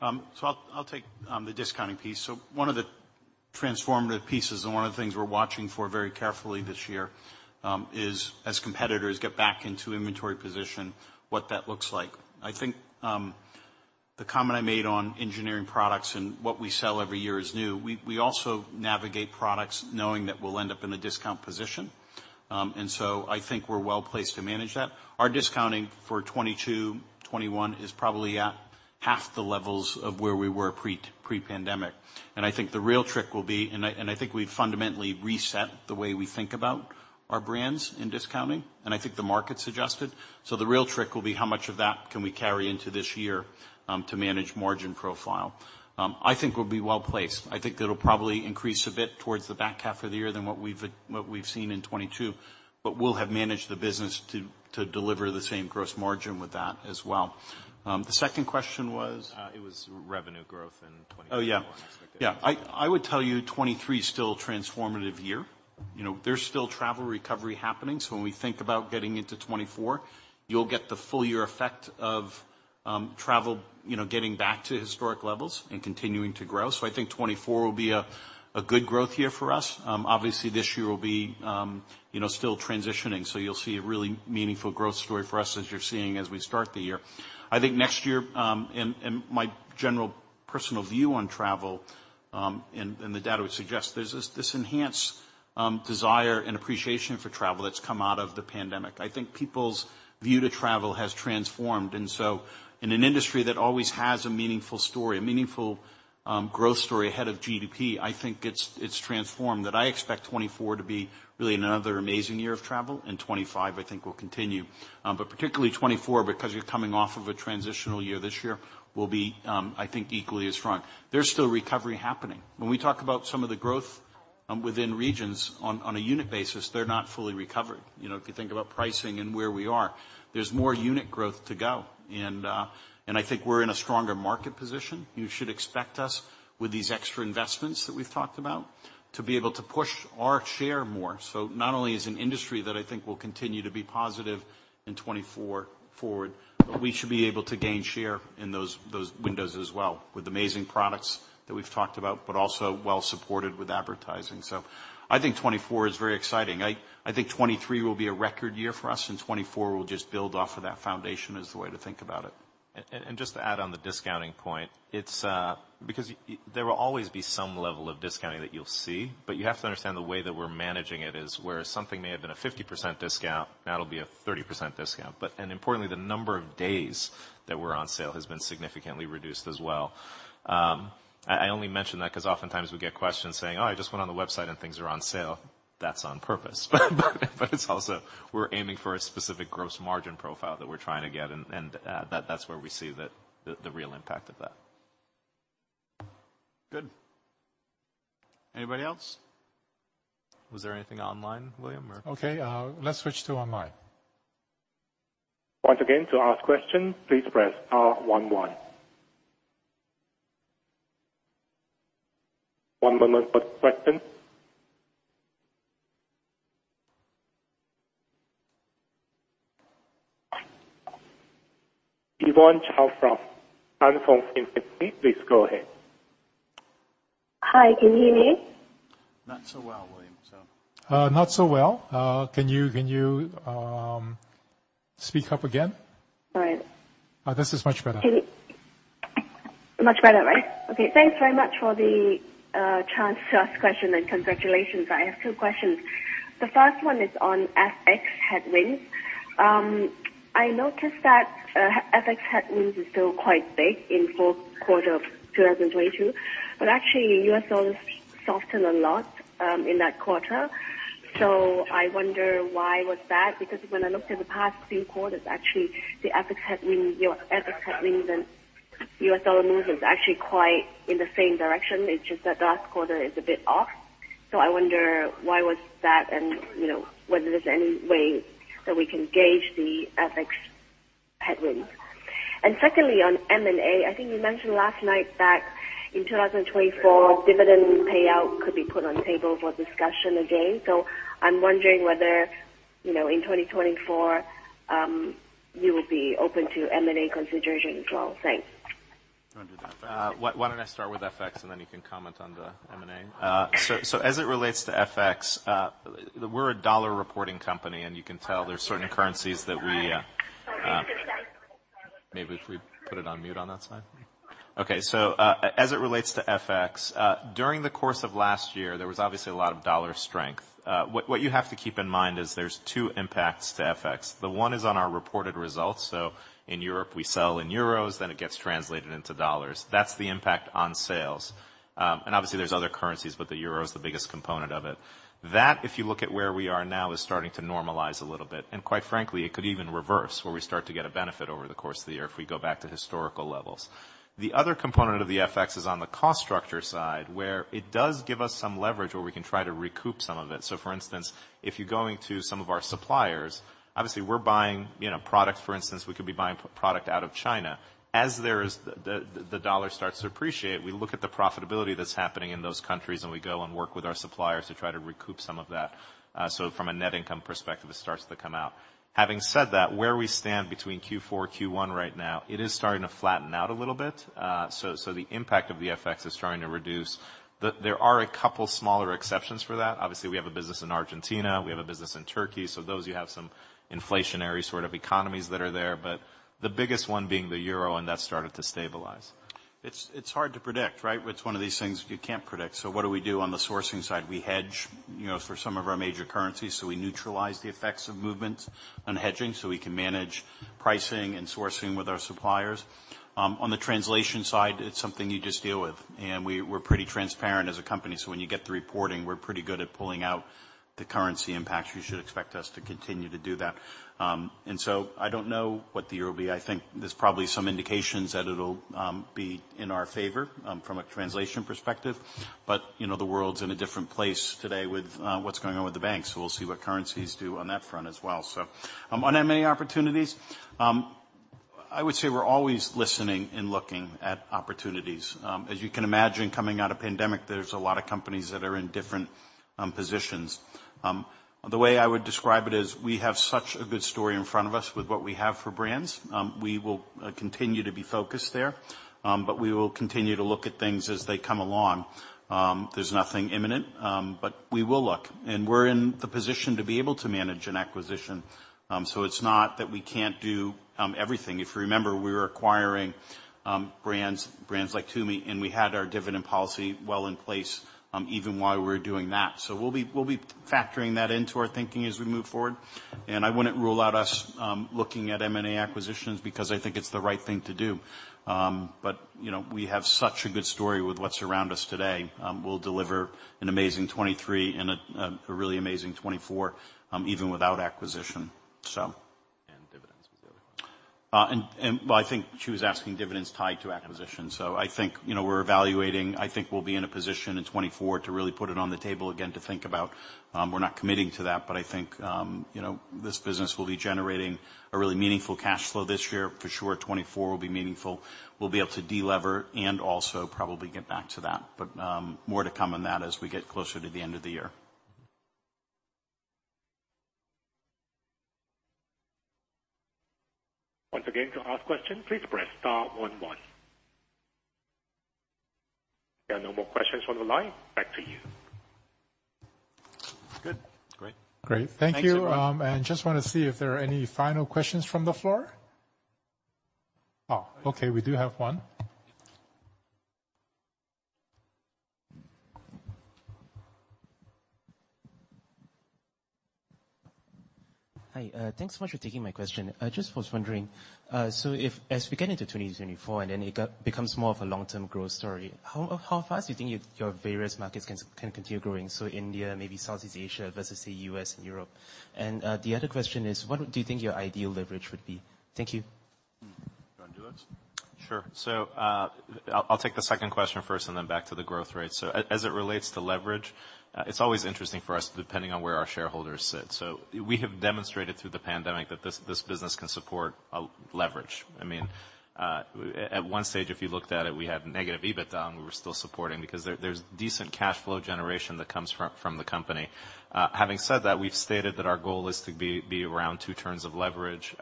I'll take the discounting piece. One of the transformative pieces and one of the things we're watching for very carefully this year is as competitors get back into inventory position, what that looks like. I think the comment I made on engineering products and what we sell every year is new. We also navigate products knowing that we'll end up in a discount position. I think we're well placed to manage that. Our discounting for 2022, 2021 is probably at half the levels of where we were pre-pandemic. I think the real trick will be, and I think we've fundamentally reset the way we think about our brands in discounting, and I think the market's adjusted. The real trick will be how much of that can we carry into this year, to manage margin profile. I think we'll be well-placed. I think it'll probably increase a bit towards the back half of the year than what we've, what we've seen in 2022, but we'll have managed the business to deliver the same gross margin with that as well. The second question was? It was revenue growth in 2024. Oh, yeah ...expectations. I would tell you 2023 is still a transformative year. You know, when we think about getting into 2024, you'll get the full year effect of travel, you know, getting back to historic levels and continuing to grow. I think 2024 will be a good growth year for us. Obviously this year will be, you know, still transitioning, you'll see a really meaningful growth story for us as you're seeing as we start the year. I think next year, and my general personal view on travel, and the data would suggest there's this enhanced desire and appreciation for travel that's come out of the pandemic. I think people's view to travel has transformed. In an industry that always has a meaningful story, a meaningful growth story ahead of GDP, I think it's transformed, that I expect 2024 to be really another amazing year of travel, and 2025 I think will continue. Particularly 2024 because you're coming off of a transitional year this year will be, I think equally as strong. There's still recovery happening. When we talk about some of the growth within regions on a unit basis, they're not fully recovered. You know, if you think about pricing and where we are, there's more unit growth to go and I think we're in a stronger market position. You should expect us with these extra investments that we've talked about to be able to push our share more. Not only as an industry that I think will continue to be positive in 2024 forward, but we should be able to gain share in those windows as well with amazing products that we've talked about, but also well-supported with advertising. I think 2024 is very exciting. I think 2023 will be a record year for us, and 2024 will just build off of that foundation as the way to think about it. Just to add on the discounting point, it's, because there will always be some level of discounting that you'll see, but you have to understand the way that we're managing it is where something may have been a 50% discount, now it'll be a 30% discount. Importantly, the number of days that we're on sale has been significantly reduced as well. I only mention that 'cause oftentimes we get questions saying, Oh, I just went on the website and things are on sale. That's on purpose. It's also, we're aiming for a specific gross margin profile that we're trying to get, and that's where we see the real impact of that. Good. Anybody else? Was there anything online, William, or? Okay. Let's switch to online. Once again, to ask question, please press star one one. One moment for question. Yvonne Chow. Please go ahead. Hi. Can you hear me? Not so well, William. Not so well. Can you speak up again? All right. This is much better. Much better, right? Okay. Thanks very much for the chance to ask question, and congratulations. I have two questions. The first one is on FX headwinds. I noticed that FX headwinds is still quite big in fourth quarter of 2022. Actually U.S. dollars softened a lot in that quarter. I wonder why was that? Because when I looked at the past three quarters, actually the FX headwind, you know, FX headwinds and U.S. dollar moves is actually quite in the same direction. It's just that last quarter is a bit off. I wonder why was that and, you know, whether there's any way that we can gauge the FX headwinds. Secondly, on M&A, I think you mentioned last night that in 2024, dividend payout could be put on table for discussion again. I'm wondering whether, you know, in 2024, you will be open to M&A considerations at all. Thanks. I'll do that. Why don't I start with FX and then you can comment on the M&A. As it relates to FX, we're a dollar reporting company, and you can tell there's certain currencies that we Maybe if we put it on mute on that side. Okay. As it relates to FX, during the course of last year, there was obviously a lot of dollar strength. What you have to keep in mind is there's two impacts to FX. The one is on our reported results. In Europe, we sell in euros, then it gets translated into dollars. That's the impact on sales. Obviously there's other currencies, but the euro is the biggest component of it. That, if you look at where we are now, is starting to normalize a little bit, and quite frankly, it could even reverse, where we start to get a benefit over the course of the year if we go back to historical levels. The other component of the FX is on the cost structure side, where it does give us some leverage where we can try to recoup some of it. For instance, if you're going to some of our suppliers, obviously we're buying, you know, products, for instance, we could be buying product out of China. As there is the dollar starts to appreciate, we look at the profitability that's happening in those countries, and we go and work with our suppliers to try to recoup some of that. From a net income perspective, it starts to come out. Having said that, where we stand between Q4, Q1 right now, it is starting to flatten out a little bit. The impact of the FX is starting to reduce. There are a couple smaller exceptions for that. Obviously, we have a business in Argentina, we have a business in Turkey, so those, you have some inflationary sort of economies that are there, but the biggest one being the euro, and that started to stabilize. It's hard to predict, right? It's one of these things you can't predict. What do we do on the sourcing side? We hedge, you know, for some of our major currencies, so we neutralize the effects of movements on hedging, so we can manage pricing and sourcing with our suppliers. On the translation side, it's something you just deal with. We're pretty transparent as a company, so when you get the reporting, we're pretty good at pulling out the currency impacts. You should expect us to continue to do that. I don't know what the year will be. I think there's probably some indications that it'll be in our favor from a translation perspective. You know, the world's in a different place today with what's going on with the banks, so we'll see what currencies do on that front as well. On M&A opportunities, I would say we're always listening and looking at opportunities. As you can imagine, coming out of pandemic, there's a lot of companies that are in different positions. The way I would describe it is we have such a good story in front of us with what we have for brands. We will continue to be focused there, but we will continue to look at things as they come along. There's nothing imminent, but we will look. We're in the position to be able to manage an acquisition. So it's not that we can't do everything. If you remember, we were acquiring brands like Tumi, and we had our dividend policy well in place even while we were doing that. We'll be factoring that into our thinking as we move forward. I wouldn't rule out us looking at M&A acquisitions because I think it's the right thing to do. You know, we have such a good story with what's around us today. We'll deliver an amazing 2023 and a really amazing 2024 even without acquisition. Dividends was the other one. I think she was asking dividends tied to acquisition. I think, you know, we're evaluating. I think we'll be in a position in 2024 to really put it on the table again to think about. We're not committing to that, but I think, you know, this business will be generating a really meaningful cash flow this year. For sure, 2024 will be meaningful. We'll be able to de-lever and also probably get back to that. More to come on that as we get closer to the end of the year. Once again, to ask question, please press star one one. There are no more questions on the line. Back to you. Good. Great. Great. Thank you. Thanks, everyone. Just wanna see if there are any final questions from the floor. Oh, okay. We do have one. Hi. Thanks so much for taking my question. I just was wondering, if as we get into 2024, and then it becomes more of a long-term growth story, how fast do you think your various markets can continue growing? India, maybe Southeast Asia versus, say, U.S. and Europe. The other question is, what do you think your ideal leverage would be? Thank you. Do you wanna do it? Sure. I'll take the second question first and then back to the growth rate. As it relates to leverage, it's always interesting for us depending on where our shareholders sit. We have demonstrated through the pandemic that this business can support a leverage. I mean. At one stage, if you looked at it, we had negative EBITDA, and we were still supporting because there's decent cash flow generation that comes from the company. Having said that, we've stated that our goal is to be around two turns of leverage.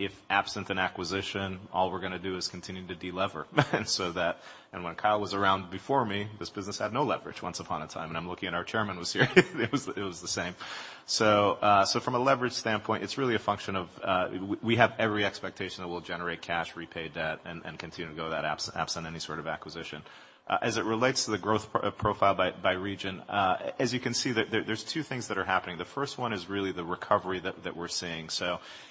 If absent an acquisition, all we're gonna do is continue to delever. When Kyle was around before me, this business had no leverage once upon a time, and I'm looking at our chairman who's here. It was the same. So from a leverage standpoint, it's really a function of, we have every expectation that we'll generate cash, repay debt, and continue to go that absent any sort of acquisition. As it relates to the growth profile by region, as you can see, there's two things that are happening. The first one is really the recovery that we're seeing.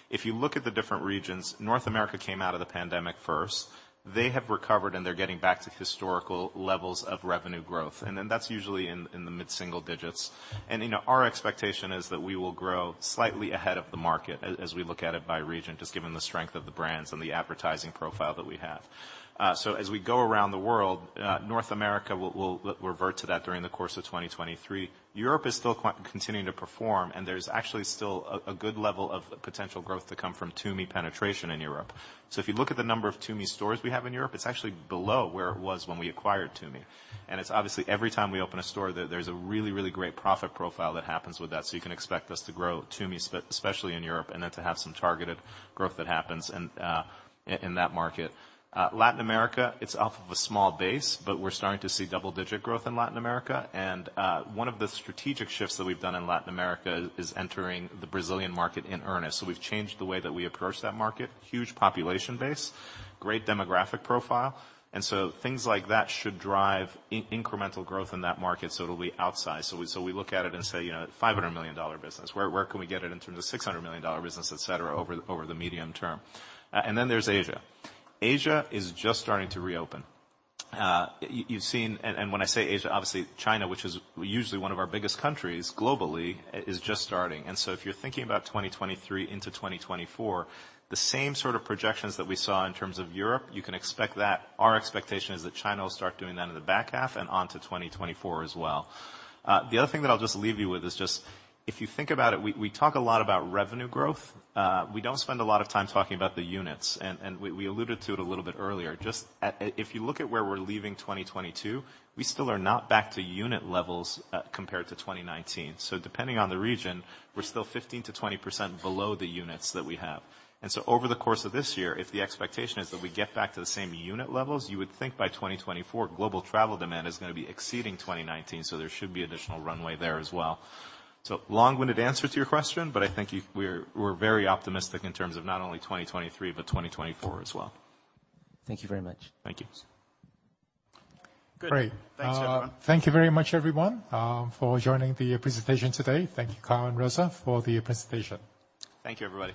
If you look at the different regions, North America came out of the pandemic first. They have recovered, and they're getting back to historical levels of revenue growth. That's usually in the mid-single digits. You know, our expectation is that we will grow slightly ahead of the market as we look at it by region, just given the strength of the brands and the advertising profile that we have. As we go around the world, North America, we'll revert to that during the course of 2023. Europe is still quite continuing to perform, and there's actually still a good level of potential growth to come from Tumi penetration in Europe. If you look at the number of Tumi stores we have in Europe, it's actually below where it was when we acquired Tumi. It's obviously every time we open a store there's a really, really great profit profile that happens with that, so you can expect us to grow Tumi especially in Europe and then to have some targeted growth that happens in that market. Latin America, it's off of a small base, but we're starting to see double-digit growth in Latin America. One of the strategic shifts that we've done in Latin America is entering the Brazilian market in earnest. We've changed the way that we approach that market. Huge population base, great demographic profile, things like that should drive incremental growth in that market, so it'll be outsized. We look at it and say, you know, $500 million business, where can we get it in terms of $600 million business, et cetera, over the medium term? Then there's Asia. Asia is just starting to reopen. You've seen... When I say Asia, obviously China, which is usually one of our biggest countries globally, is just starting. If you're thinking about 2023 into 2024, the same sort of projections that we saw in terms of Europe, you can expect that. Our expectation is that China will start doing that in the back half and onto 2024 as well. The other thing that I'll just leave you with is just, if you think about it, we talk a lot about revenue growth. We don't spend a lot of time talking about the units, and we alluded to it a little bit earlier. Just if you look at where we're leaving 2022, we still are not back to unit levels compared to 2019. Depending on the region, we're still 15%-20% below the units that we have. Over the course of this year, if the expectation is that we get back to the same unit levels, you would think by 2024, global travel demand is gonna be exceeding 2019, so there should be additional runway there as well. Long-winded answer to your question, but I think. We're very optimistic in terms of not only 2023, but 2024 as well. Thank you very much. Thank you. Good. Great. Thanks, everyone. Thank you very much, everyone, for joining the presentation today. Thank you, Kyle and Reza, for the presentation. Thank you, everybody.